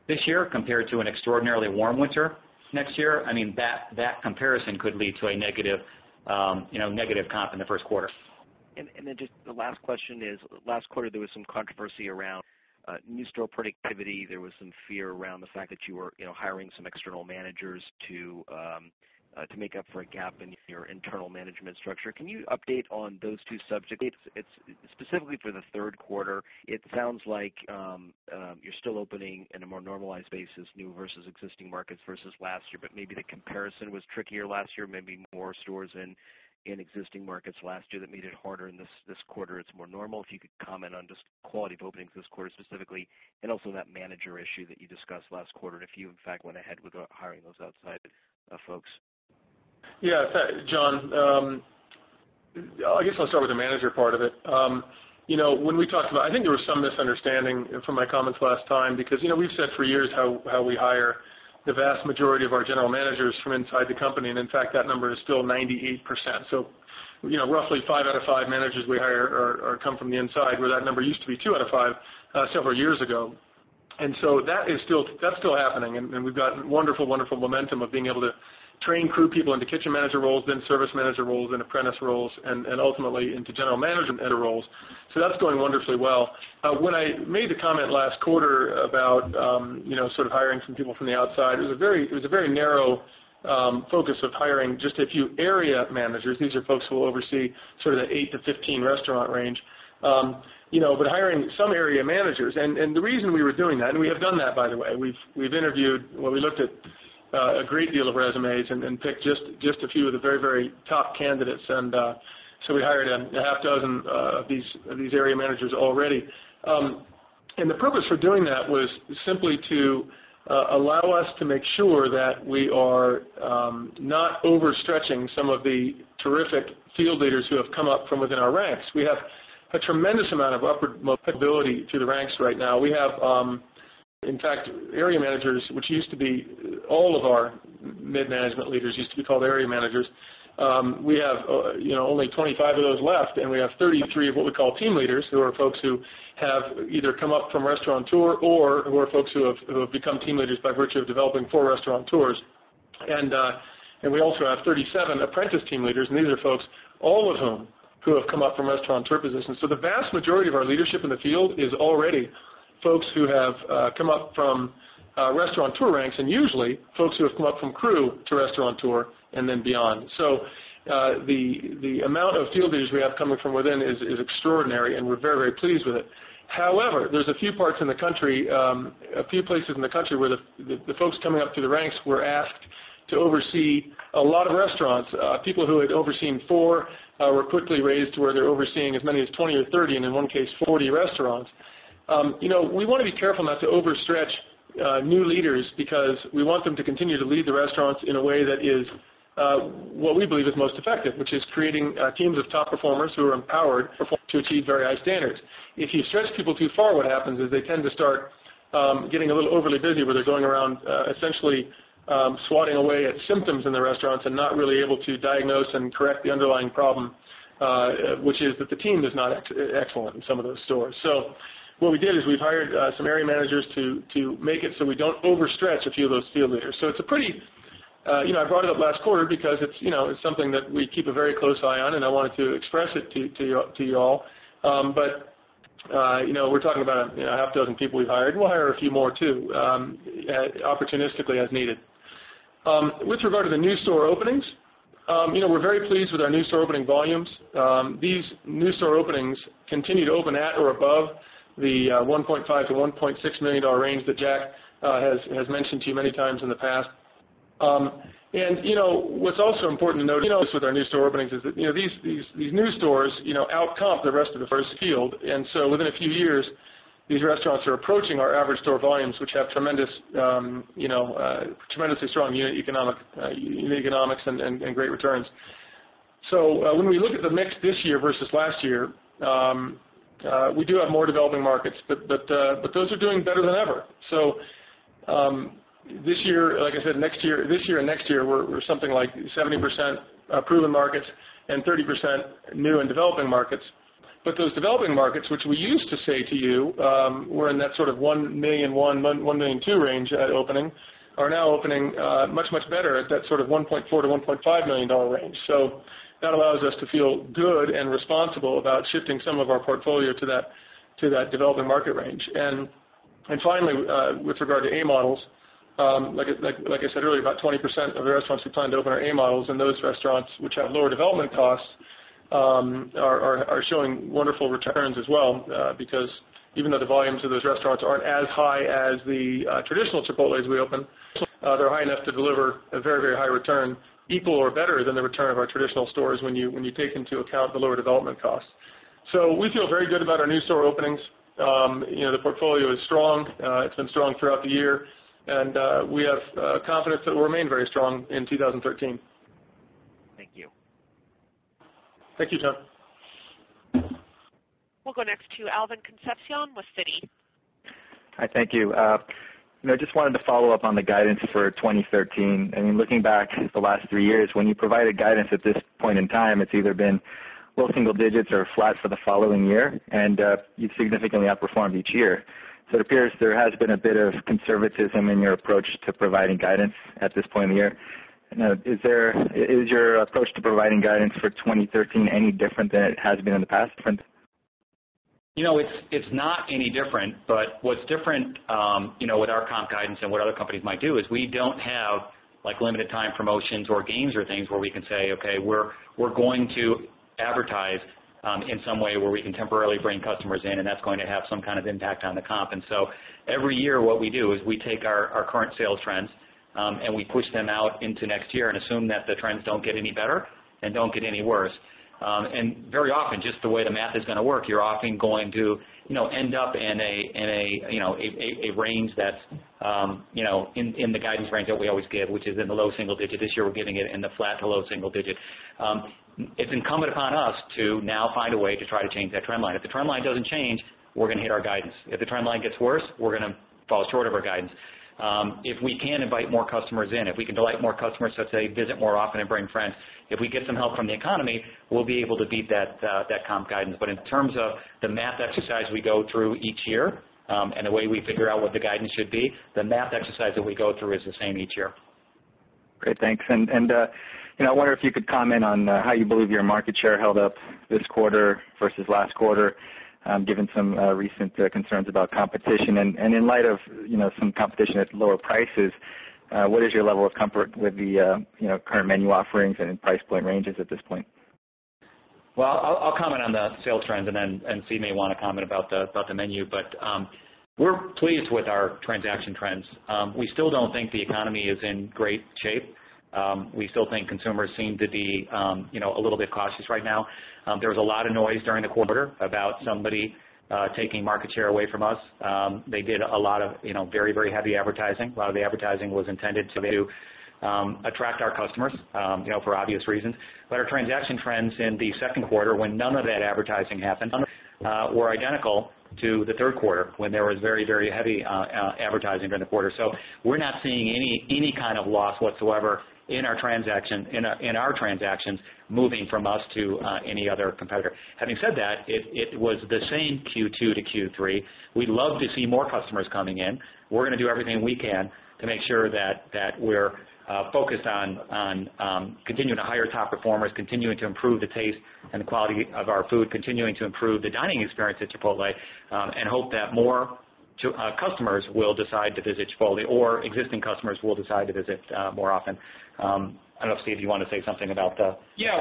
Speaker 5: this year compared to an extraordinarily warm winter next year, that comparison could lead to a negative comp in the first quarter.
Speaker 8: Then just the last question is, last quarter, there was some controversy around new store productivity. There was some fear around the fact that you were hiring some external managers to make up for a gap in your internal management structure. Can you update on those two subjects? Specifically for the third quarter, it sounds like you're still opening in a more normalized basis, new versus existing markets versus last year. But maybe the comparison was trickier last year, maybe more stores in existing markets last year that made it harder, and this quarter it's more normal. If you could comment on just quality of openings this quarter specifically and also that manager issue that you discussed last quarter, and if you, in fact, went ahead with hiring those outside folks.
Speaker 4: Yeah. John, I guess I'll start with the manager part of it. I think there was some misunderstanding from my comments last time because we've said for years how we hire the vast majority of our general managers from inside the company, and in fact, that number is still 98%. Roughly five out of five managers we hire come from the inside, where that number used to be two out of five several years ago. So that's still happening, and we've got wonderful momentum of being able to train crew people into kitchen manager roles, then service manager roles, then apprentice roles, and ultimately into general management roles. That's going wonderfully well. When I made the comment last quarter about sort of hiring some people from the outside, it was a very narrow focus of hiring just a few area managers. These are folks who will oversee sort of the eight to 15 restaurant range. But hiring some area managers. The reason we were doing that, and we have done that, by the way, we've interviewed, well, we looked at a great deal of resumes and picked just a few of the very top candidates, so we hired a half dozen of these area managers already. The purpose for doing that was simply to allow us to make sure that we are not overstretching some of the terrific field leaders who have come up from within our ranks. We have a tremendous amount of upward mobility through the ranks right now. We have, in fact, area managers, which used to be all of our mid-management leaders used to be called area managers. We have only 25 of those left, and we have 33 of what we call team leaders, who are folks who have either come up from Restaurateur or who are folks who have become team leaders by virtue of developing four Restaurateurs. We also have 37 apprentice team leaders, and these are folks all of whom have come up from Restaurateur positions. The vast majority of our leadership in the field is already folks who have come up from Restaurateur ranks, and usually folks who have come up from crew to Restaurateur and then beyond. The amount of field leaders we have coming from within is extraordinary, and we're very pleased with it. However, there's a few parts in the country, a few places in the country where the folks coming up through the ranks were asked to oversee a lot of restaurants. People who had overseen four were quickly raised to where they're overseeing as many as 20 or 30, and in one case, 40 restaurants. We want to be careful not to overstretch new leaders because we want them to continue to lead the restaurants in a way that is what we believe is most effective, which is creating teams of top performers who are empowered to achieve very high standards. If you stretch people too far, what happens is they tend to start getting a little overly busy where they're going around essentially swatting away at symptoms in the restaurants and not really able to diagnose and correct the underlying problem, which is that the team is not excellent in some of those stores. What we did is we've hired some area managers to make it so we don't overstretch a few of those field leaders. I brought it up last quarter because it's something that we keep a very close eye on, and I wanted to express it to you all. We're talking about a half dozen people we've hired. We'll hire a few more too, opportunistically as needed. With regard to the new store openings, we're very pleased with our new store opening volumes. These new store openings continue to open at or above the $1.5 million-$1.6 million range that Jack has mentioned to you many times in the past. What's also important to note with our new store openings is that these new stores out-comp the rest of the first field. Within a few years, these restaurants are approaching our average store volumes, which have tremendously strong unit economics and great returns. When we look at the mix this year versus last year, we do have more developing markets, but those are doing better than ever. This year, like I said, this year and next year, we're something like 70% proven markets and 30% new and developing markets. Those developing markets, which we used to say to you were in that sort of $1.1 million, $1.2 million range at opening, are now opening much, much better at that sort of $1.4 million-$1.5 million range. That allows us to feel good and responsible about shifting some of our portfolio to that developing market range. Finally, with regard to A Models, like I said earlier, about 20% of the restaurants we plan to open are A Models, and those restaurants, which have lower development costs, are showing wonderful returns as well. Even though the volumes of those restaurants aren't as high as the traditional Chipotles we open, they're high enough to deliver a very, very high return, equal or better than the return of our traditional stores when you take into account the lower development cost. We feel very good about our new store openings. The portfolio is strong. It's been strong throughout the year, and we have confidence that we'll remain very strong in 2013.
Speaker 5: Thank you.
Speaker 4: Thank you, John.
Speaker 1: We'll go next to Alvin Concepcion with Citi.
Speaker 9: Hi, thank you. I just wanted to follow up on the guidance for 2013. I mean, looking back at the last three years, when you provided guidance at this point in time, it's either been low single digits or flat for the following year, and you've significantly outperformed each year. It appears there has been a bit of conservatism in your approach to providing guidance at this point in the year. Is your approach to providing guidance for 2013 any different than it has been in the past?
Speaker 5: It's not any different, but what's different with our comp guidance and what other companies might do is we don't have limited time promotions or games or things where we can say, "Okay, we're going to advertise in some way where we can temporarily bring customers in, and that's going to have some kind of impact on the comp." Every year, what we do is we take our current sales trends, and we push them out into next year and assume that the trends don't get any better and don't get any worse. Very often, just the way the math is going to work, you're often going to end up in a range that's in the guidance range that we always give, which is in the low single digit. This year, we're giving it in the flat to low single digit. It's incumbent upon us to now find a way to try to change that trend line. If the trend line doesn't change, we're going to hit our guidance. If the trend line gets worse, we're going to fall short of our guidance. If we can invite more customers in, if we can delight more customers, let's say, visit more often and bring friends, if we get some help from the economy, we'll be able to beat that comp guidance. In terms of the math exercise we go through each year, and the way we figure out what the guidance should be, the math exercise that we go through is the same each year.
Speaker 9: Great. Thanks. I wonder if you could comment on how you believe your market share held up this quarter versus last quarter, given some recent concerns about competition. In light of some competition at lower prices, what is your level of comfort with the current menu offerings and price point ranges at this point?
Speaker 5: I'll comment on the sales trends, and Steve may want to comment about the menu. We're pleased with our transaction trends. We still don't think the economy is in great shape. We still think consumers seem to be a little bit cautious right now. There was a lot of noise during the quarter about somebody taking market share away from us. They did a lot of very heavy advertising. A lot of the advertising was intended to attract our customers for obvious reasons. Our transaction trends in the second quarter, when none of that advertising happened, were identical to the third quarter when there was very heavy advertising during the quarter. We're not seeing any kind of loss whatsoever in our transactions moving from us to any other competitor. Having said that, it was the same Q2 to Q3. We'd love to see more customers coming in. We're going to do everything we can to make sure that we're focused on continuing to hire top performers, continuing to improve the taste and the quality of our food, continuing to improve the dining experience at Chipotle, and hope that more To our customers will decide to visit Chipotle or existing customers will decide to visit more often. I don't know, Steve, you want to say something about the?
Speaker 3: Yeah.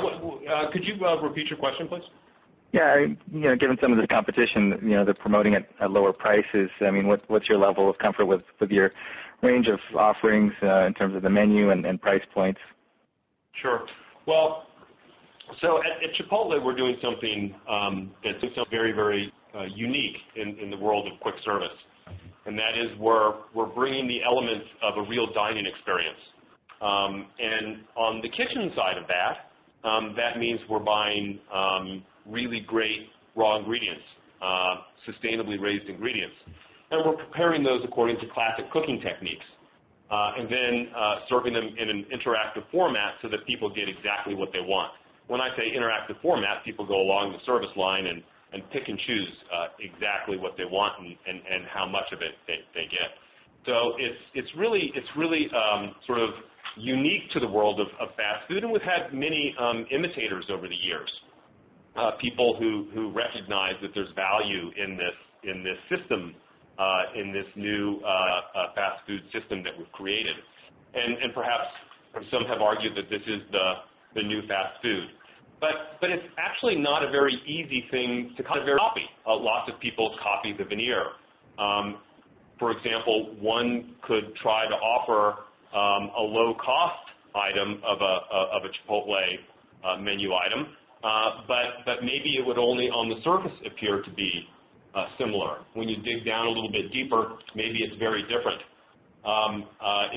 Speaker 3: Could you repeat your question, please?
Speaker 9: Yeah. Given some of the competition, they're promoting at lower prices. What's your level of comfort with your range of offerings in terms of the menu and price points?
Speaker 3: Sure. Well, at Chipotle, we're doing something that's very unique in the world of quick service. That is, we're bringing the elements of a real dining experience. On the kitchen side of that means we're buying really great raw ingredients, sustainably raised ingredients. Then preparing those according to classic cooking techniques, serving them in an interactive format so that people get exactly what they want. When I say interactive format, people go along the service line and pick and choose exactly what they want and how much of it they get. It's really sort of unique to the world of fast food, we've had many imitators over the years. People who recognize that there's value in this system, in this new fast food system that we've created. Perhaps some have argued that this is the new fast food. It's actually not a very easy thing to copy. Lots of people copy the veneer. For example, one could try to offer a low-cost item of a Chipotle menu item. Maybe it would only on the surface appear to be similar. When you dig down a little bit deeper, maybe it's very different.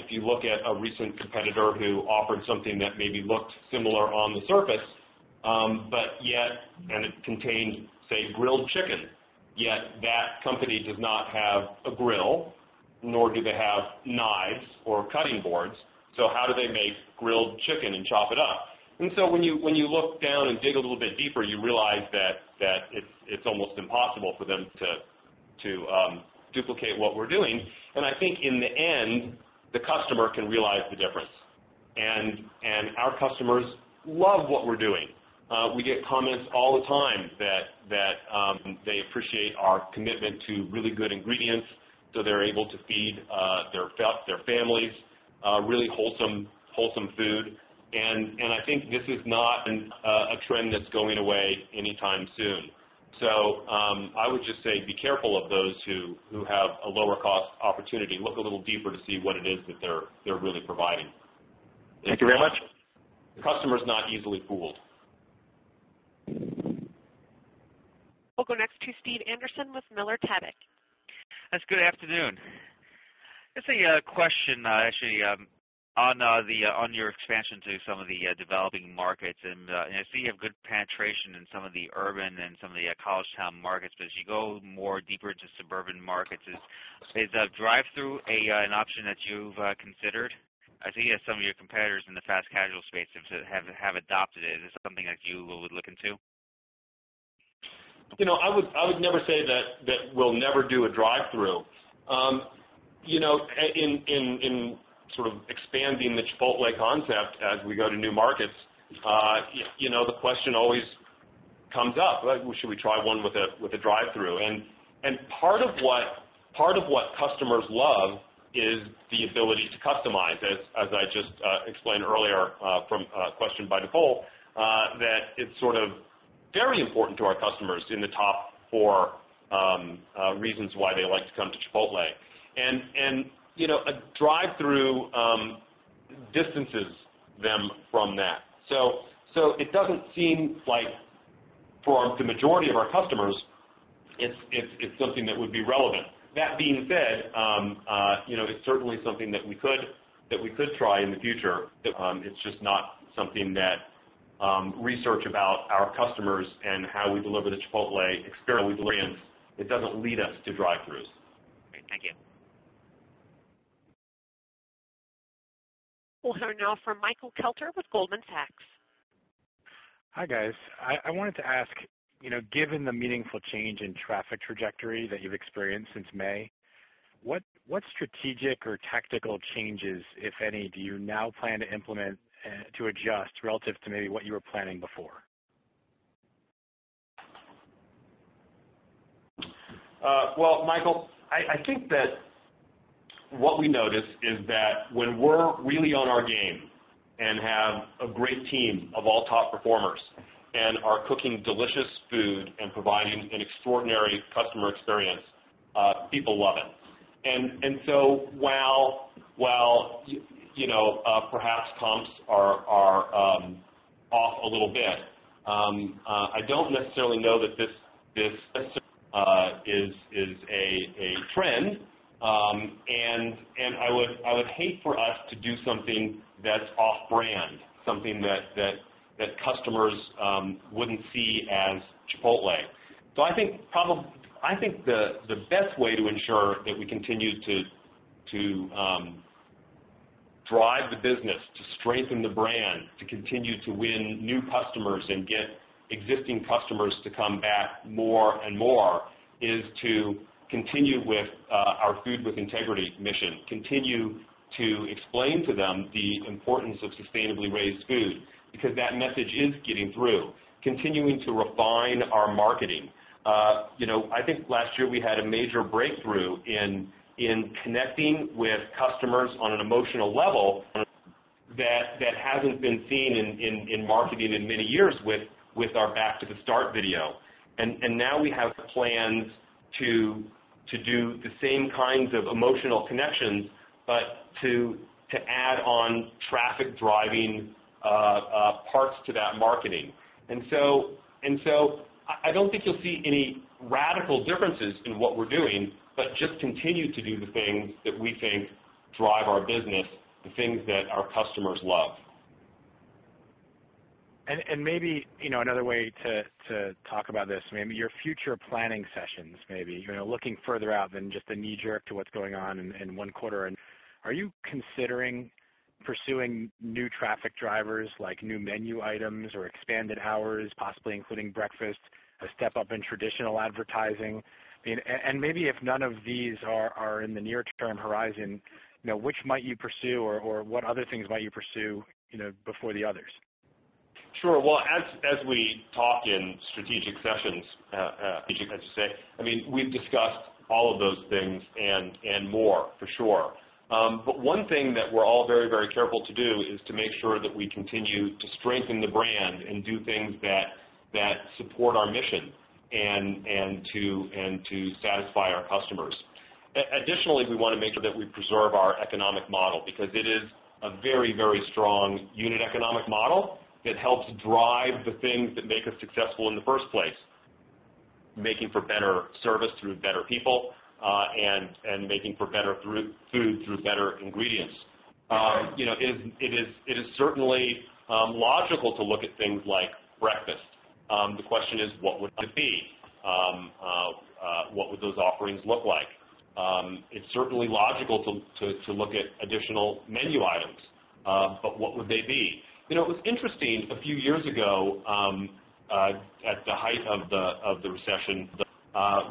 Speaker 3: If you look at a recent competitor who offered something that maybe looked similar on the surface, it contained, say, grilled chicken, yet that company does not have a grill, nor do they have knives or cutting boards. How do they make grilled chicken and chop it up? When you look down and dig a little bit deeper, you realize that it's almost impossible for them to duplicate what we're doing. I think in the end, the customer can realize the difference. Our customers love what we're doing. We get comments all the time that they appreciate our commitment to really good ingredients so they're able to feed their families really wholesome food. I think this is not a trend that's going away anytime soon. I would just say be careful of those who have a lower cost opportunity. Look a little deeper to see what it is that they're really providing.
Speaker 9: Thank you very much.
Speaker 3: The customer's not easily fooled.
Speaker 1: We'll go next to Stephen Anderson with Miller Tabak.
Speaker 10: Yes, good afternoon. Just a question, actually, on your expansion to some of the developing markets, I see you have good penetration in some of the urban and some of the college town markets, as you go more deeper into suburban markets, is drive-thru an option that you've considered? I see some of your competitors in the fast casual space have adopted it. Is this something that you would look into?
Speaker 3: I would never say that we'll never do a drive-thru. In expanding the Chipotle concept as we go to new markets, the question always comes up, "Well, should we try one with a drive-thru?" Part of what customers love is the ability to customize, as I just explained earlier from a question by Nicole, that it's sort of very important to our customers in the top four reasons why they like to come to Chipotle. A drive-thru distances them from that. It doesn't seem like for the majority of our customers, it's something that would be relevant. That being said, it's certainly something that we could try in the future. It's just not something that research about our customers and how we deliver the Chipotle experience, it doesn't lead us to drive-thrus.
Speaker 10: Okay. Thank you.
Speaker 1: We'll hear now from Michael Kelter with Goldman Sachs.
Speaker 11: Hi, guys. I wanted to ask, given the meaningful change in traffic trajectory that you've experienced since May, what strategic or tactical changes, if any, do you now plan to implement to adjust relative to maybe what you were planning before?
Speaker 3: Well, Michael, I think that what we noticed is that when we're really on our game and have a great team of all top performers and are cooking delicious food and providing an extraordinary customer experience, people love it. While perhaps comps are off a little bit, I don't necessarily know that this is a trend, and I would hate for us to do something that's off-brand, something that customers wouldn't see as Chipotle. I think the best way to ensure that we continue to drive the business, to strengthen the brand, to continue to win new customers and get existing customers to come back more and more, is to continue with our Food with Integrity mission, continue to explain to them the importance of sustainably raised food, because that message is getting through. Continuing to refine our marketing. I think last year we had a major breakthrough in connecting with customers on an emotional level that hasn't been seen in marketing in many years with our Back to the Start video. We have plans to do the same kinds of emotional connections, but to add on traffic-driving parts to that marketing. I don't think you'll see any radical differences in what we're doing, but just continue to do the things that we think drive our business, the things that our customers love.
Speaker 11: Maybe another way to talk about this, maybe your future planning sessions, maybe. Looking further out than just a knee-jerk to what's going on in one quarter. Are you considering pursuing new traffic drivers, like new menu items or expanded hours, possibly including breakfast, a step up in traditional advertising? If none of these are in the near-term horizon, which might you pursue, or what other things might you pursue before the others?
Speaker 3: Sure. Well, as we talk in strategic sessions, we've discussed all of those things and more, for sure. One thing that we're all very careful to do is to make sure that we continue to strengthen the brand and do things that support our mission, and to satisfy our customers. Additionally, we want to make sure that we preserve our economic model, because it is a very strong unit economic model that helps drive the things that make us successful in the first place. Making for better service through better people, and making for better food through better ingredients. It is certainly logical to look at things like breakfast. The question is, what would that be? What would those offerings look like? It's certainly logical to look at additional menu items, but what would they be? It was interesting, a few years ago, at the height of the recession,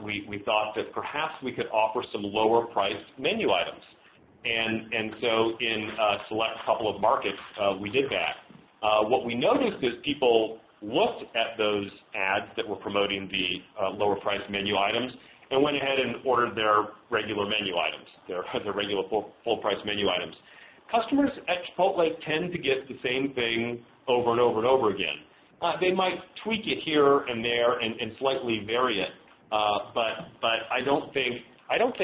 Speaker 3: we thought that perhaps we could offer some lower-priced menu items. In a select couple of markets, we did that. What we noticed is people looked at those ads that were promoting the lower-priced menu items and went ahead and ordered their regular menu items, their regular full-price menu items. Customers at Chipotle tend to get the same thing over and over again. They might tweak it here and there and slightly vary it. I don't think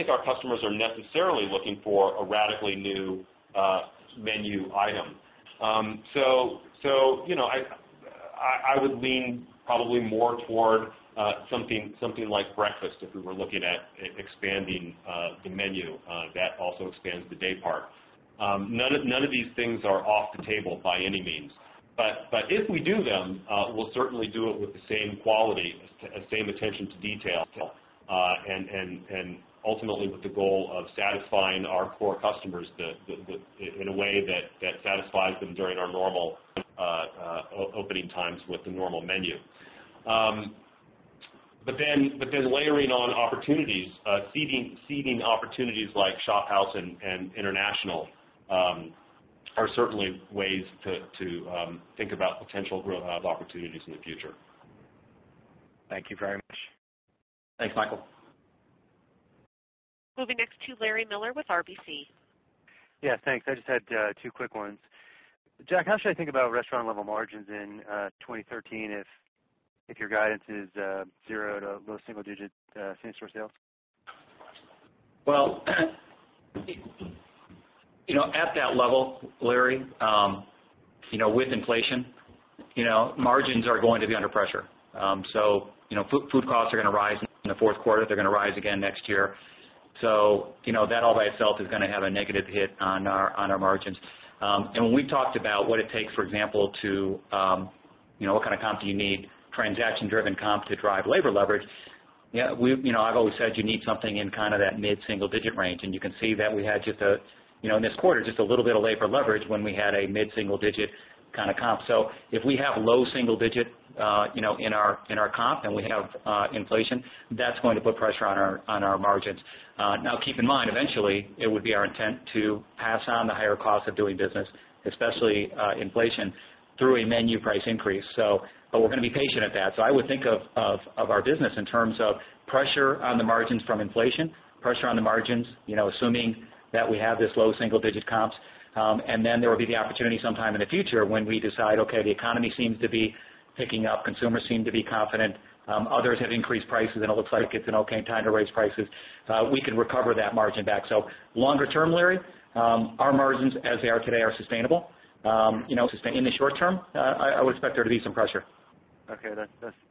Speaker 3: our customers are necessarily looking for a radically new menu item. I would lean probably more toward something like breakfast if we were looking at expanding the menu. That also expands the day part. None of these things are off the table by any means. If we do them, we'll certainly do it with the same quality, same attention to detail, and ultimately with the goal of satisfying our core customers in a way that satisfies them during our normal opening times with the normal menu. Layering on opportunities, seeding opportunities like ShopHouse and International are certainly ways to think about potential growth opportunities in the future.
Speaker 11: Thank you very much.
Speaker 3: Thanks, Michael.
Speaker 1: Moving next to Larry Miller with RBC.
Speaker 12: Yes, thanks. I just had two quick ones. Jack, how should I think about restaurant-level margins in 2013 if your guidance is zero to low single digit same-store sales?
Speaker 5: Well, at that level, Larry, with inflation, margins are going to be under pressure. Food costs are going to rise in the fourth quarter. They're going to rise again next year. That all by itself is going to have a negative hit on our margins. When we talked about what it takes, for example, what kind of comp do you need, transaction-driven comp to drive labor leverage, I've always said you need something in that mid-single digit range. You can see that we had, in this quarter, just a little bit of labor leverage when we had a mid-single digit comp. If we have low single digit in our comp and we have inflation, that's going to put pressure on our margins.
Speaker 3: Now, keep in mind, eventually it would be our intent to pass on the higher cost of doing business, especially inflation, through a menu price increase. We're going to be patient at that. I would think of our business in terms of pressure on the margins from inflation, pressure on the margins, assuming that we have this low single-digit comps, and then there will be the opportunity sometime in the future when we decide, okay, the economy seems to be picking up, consumers seem to be confident, others have increased prices, and it looks like it's an okay time to raise prices. We could recover that margin back. Longer term, Larry, our margins as they are today are sustainable. In the short term, I would expect there to be some pressure.
Speaker 12: Okay.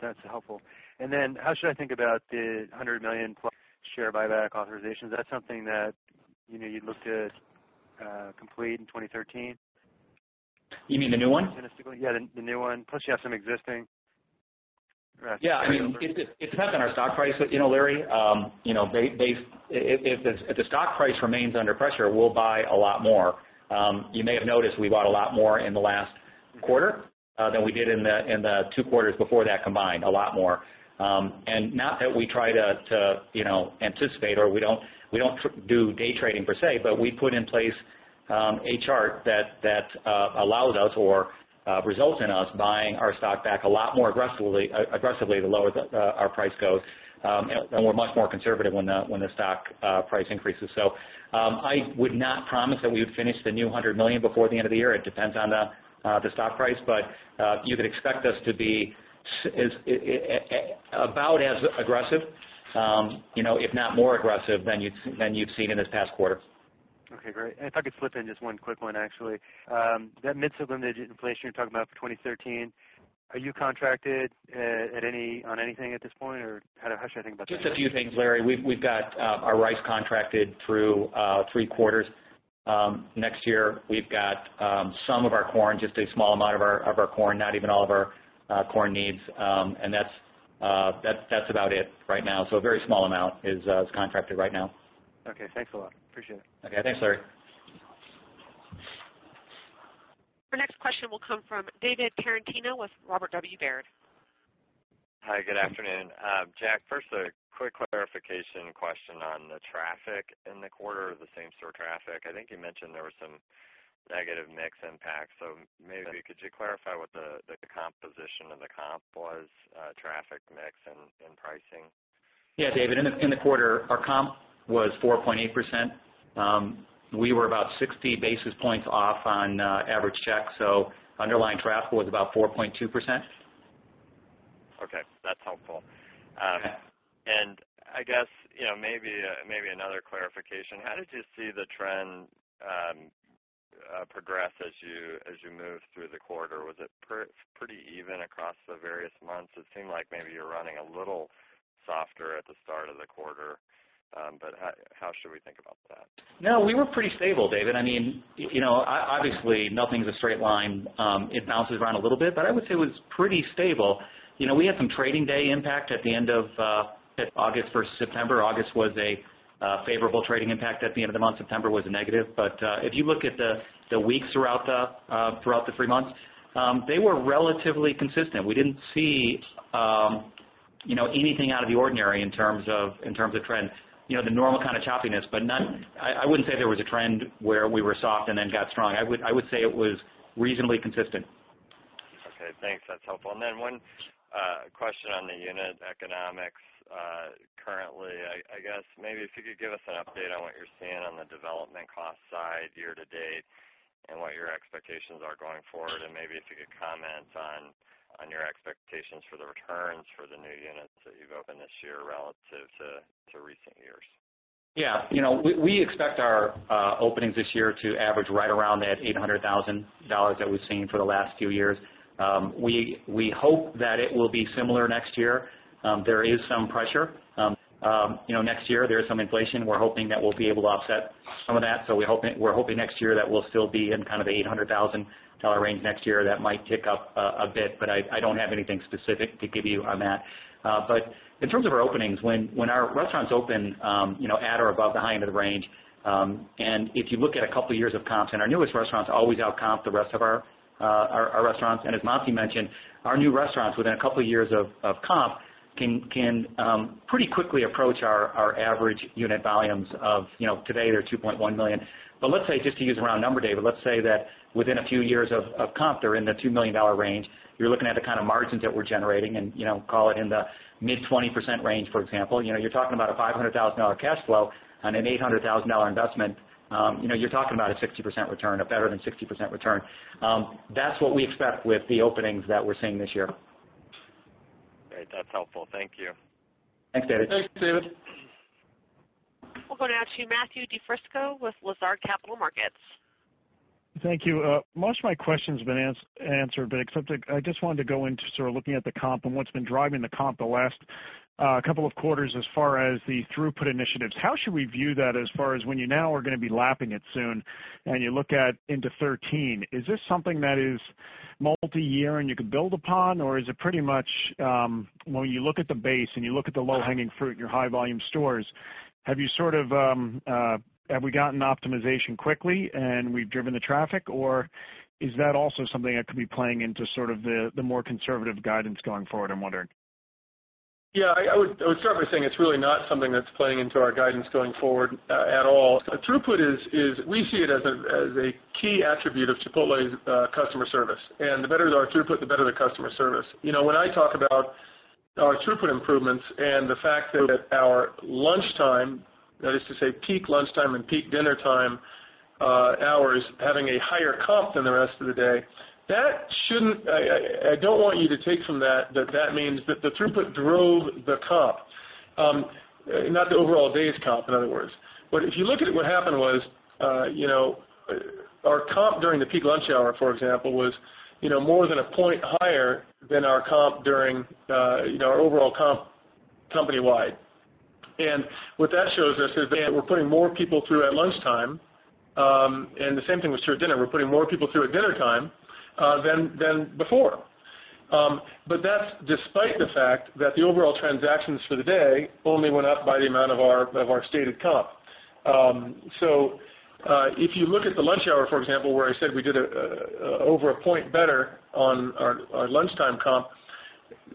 Speaker 12: That's helpful. How should I think about the $100 million plus share buyback authorizations? Is that something that you'd look to complete in 2013?
Speaker 5: You mean the new one?
Speaker 12: Yeah, the new one. Plus, you have some existing.
Speaker 3: Yeah. It depends on our stock price, Larry. If the stock price remains under pressure, we'll buy a lot more. You may have noticed we bought a lot more in the last quarter than we did in the two quarters before that combined, a lot more. Not that we try to anticipate, or we don't do day trading per se, but we put in place a chart that allows us or results in us buying our stock back a lot more aggressively the lower our price goes. We're much more conservative when the stock price increases. I would not promise that we would finish the new $100 million before the end of the year. It depends on the stock price. You could expect us to be about as aggressive, if not more aggressive, than you've seen in this past quarter.
Speaker 12: Okay, great. If I could slip in just one quick one, actually. That mid-single digit inflation you're talking about for 2013, are you contracted on anything at this point, or how should I think about that?
Speaker 5: Just a few things, Larry. We've got our rice contracted through three quarters. Next year, we've got some of our corn, just a small amount of our corn, not even all of our corn needs. That's about it right now. A very small amount is contracted right now.
Speaker 12: Okay, thanks a lot. Appreciate it.
Speaker 5: Okay. Thanks, Larry.
Speaker 1: Our next question will come from David Tarantino with Robert W. Baird.
Speaker 13: Hi, good afternoon. Jack, first a quick clarification question on the traffic in the quarter, the same store traffic. I think you mentioned there were some negative mix impacts. Maybe could you clarify what the composition of the comp was, traffic mix, and pricing?
Speaker 5: Yeah, David, in the quarter, our comp was 4.8%. We were about 60 basis points off on average check, underlying traffic was about 4.2%.
Speaker 13: Okay, that's helpful.
Speaker 5: Yeah.
Speaker 13: I guess, maybe another clarification. How did you see the trend progress as you moved through the quarter? Was it pretty even across the various months? It seemed like maybe you're running a little softer at the start of the quarter. How should we think about that?
Speaker 5: We were pretty stable, David. Obviously, nothing's a straight line. It bounces around a little bit, but I would say it was pretty stable. We had some trading day impact at the end of August versus September. August was a favorable trading impact at the end of the month. September was a negative. If you look at the weeks throughout the three months, they were relatively consistent. We didn't see anything out of the ordinary in terms of trends. The normal kind of choppiness, I wouldn't say there was a trend where we were soft and then got strong. I would say it was reasonably consistent.
Speaker 13: Okay, thanks. That's helpful. Then one question on the unit economics. Currently, I guess maybe if you could give us an update on what you're seeing on the development cost side year-to-date and what your expectations are going forward. Maybe if you could comment on your expectations for the returns for the new units that you've opened this year relative to recent years.
Speaker 5: We expect our openings this year to average right around that $800,000 that we've seen for the last few years. We hope that it will be similar next year. There is some pressure. Next year, there is some inflation. We're hoping that we'll be able to offset some of that. We're hoping next year that we'll still be in kind of the $800,000 range next year. That might tick up a bit. I don't have anything specific to give you on that. In terms of our openings, when our restaurants open at or above the high end of the range, if you look at a couple of years of comps, our newest restaurants always outcomp the rest of our restaurants. As Monty Moran mentioned, our new restaurants, within a couple of years of comp, can pretty quickly approach our average unit volumes of today, they're $2.1 million. Let's say, just to use a round number, David Tarantino, let's say that within a few years of comp, they're in the $2 million range. You're looking at the kind of margins that we're generating and call it in the mid 20% range, for example. You're talking about a $500,000 cash flow on an $800,000 investment. You're talking about a 60% return, a better than 60% return. That's what we expect with the openings that we're seeing this year.
Speaker 13: Great. That's helpful. Thank you.
Speaker 5: Thanks, David Tarantino.
Speaker 4: Thanks, David Tarantino.
Speaker 1: We'll go now to Matthew DiFrisco with Lazard Capital Markets.
Speaker 14: Thank you. Most of my question's been answered, but except I just wanted to go into sort of looking at the comp and what's been driving the comp the last couple of quarters as far as the throughput initiatives. How should we view that as far as when you now are going to be lapping it soon and you look at into 2013? Is this something that is multi-year and you could build upon, or is it pretty much when you look at the base and you look at the low-hanging fruit and your high volume stores, have we gotten optimization quickly and we've driven the traffic, or is that also something that could be playing into sort of the more conservative guidance going forward, I'm wondering?
Speaker 4: Yeah, I would start by saying it's really not something that's playing into our guidance going forward at all. Throughput, we see it as a key attribute of Chipotle's customer service, and the better our throughput, the better the customer service. When I talk about our throughput improvements and the fact that our lunchtime, that is to say peak lunchtime and peak dinnertime hours having a higher comp than the rest of the day, I don't want you to take from that that means that the throughput drove the comp. Not the overall day's comp, in other words. If you look at it, what happened was our comp during the peak lunch hour, for example, was more than a point higher than our overall comp company-wide. What that shows us is that we're putting more people through at lunchtime, and the same thing was true at dinner. We're putting more people through at dinnertime than before. That's despite the fact that the overall transactions for the day only went up by the amount of our stated comp. If you look at the lunch hour, for example, where I said we did over a point better on our lunchtime comp,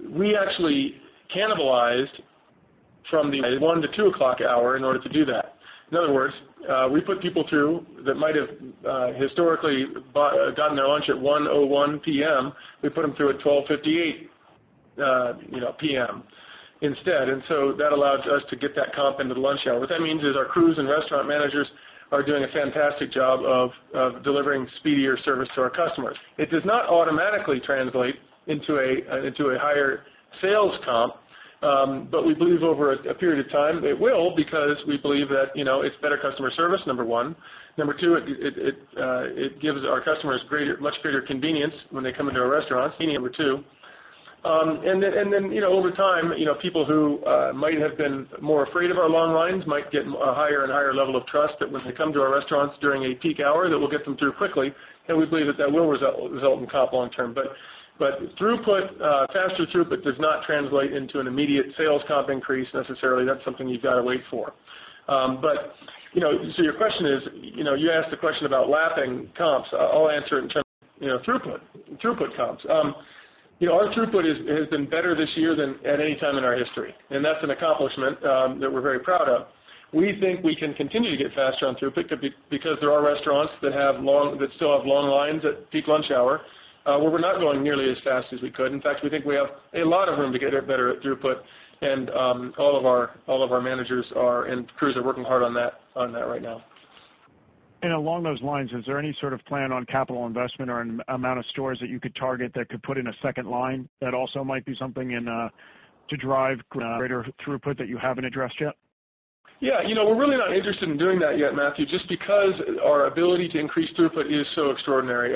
Speaker 4: we actually cannibalized from the 1:00-2:00 hour in order to do that. In other words, we put people through that might have historically gotten their lunch at 1:01 P.M., we put them through at 12:58 P.M. instead. That allows us to get that comp into the lunch hour. What that means is our crews and restaurant managers are doing a fantastic job of delivering speedier service to our customers. It does not automatically translate into a higher sales comp, we believe over a period of time, it will, because we believe that it's better customer service, number one. Number two, it gives our customers much greater convenience when they come into our restaurants, number two. Over time, people who might have been more afraid of our long lines might get a higher and higher level of trust that when they come to our restaurants during a peak hour, that we'll get them through quickly, and we believe that that will result in comp long term. Faster throughput does not translate into an immediate sales comp increase necessarily. That's something you've got to wait for. Your question is, you asked the question about lapping comps. I'll answer it in terms of throughput comps. Our throughput has been better this year than at any time in our history, that's an accomplishment that we're very proud of. We think we can continue to get faster on throughput because there are restaurants that still have long lines at peak lunch hour, where we're not going nearly as fast as we could. In fact, we think we have a lot of room to get better at throughput, all of our managers and crews are working hard on that right now.
Speaker 14: Along those lines, is there any sort of plan on capital investment or amount of stores that you could target that could put in a second line that also might be something to drive greater throughput that you haven't addressed yet?
Speaker 4: Yeah, we're really not interested in doing that yet, Matthew, just because our ability to increase throughput is so extraordinary.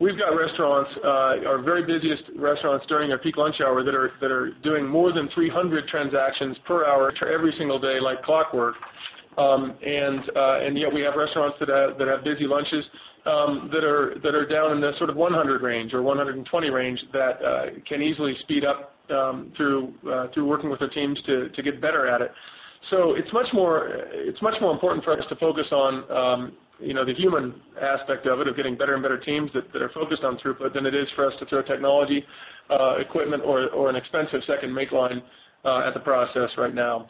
Speaker 4: We've got restaurants, our very busiest restaurants during their peak lunch hour that are doing more than 300 transactions per hour every single day like clockwork. Yet we have restaurants that have busy lunches that are down in the sort of 100 range or 120 range that can easily speed up through working with their teams to get better at it. It's much more important for us to focus on the human aspect of it, of getting better and better teams that are focused on throughput than it is for us to throw technology, equipment, or an expensive second make line at the process right now.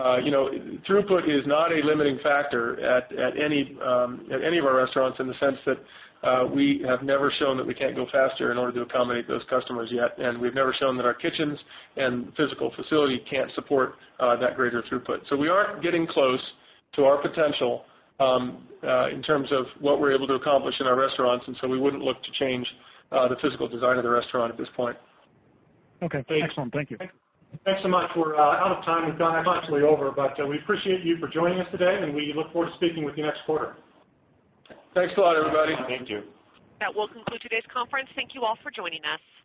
Speaker 4: Throughput is not a limiting factor at any of our restaurants in the sense that we have never shown that we can't go faster in order to accommodate those customers yet. We've never shown that our kitchens and physical facility can't support that greater throughput. We are getting close to our potential in terms of what we're able to accomplish in our restaurants, we wouldn't look to change the physical design of the restaurant at this point.
Speaker 14: Okay. Excellent. Thank you.
Speaker 2: Thanks so much. We're out of time. We've gone slightly over, we appreciate you for joining us today, we look forward to speaking with you next quarter.
Speaker 4: Thanks a lot, everybody.
Speaker 14: Thank you.
Speaker 1: That will conclude today's conference. Thank you all for joining us.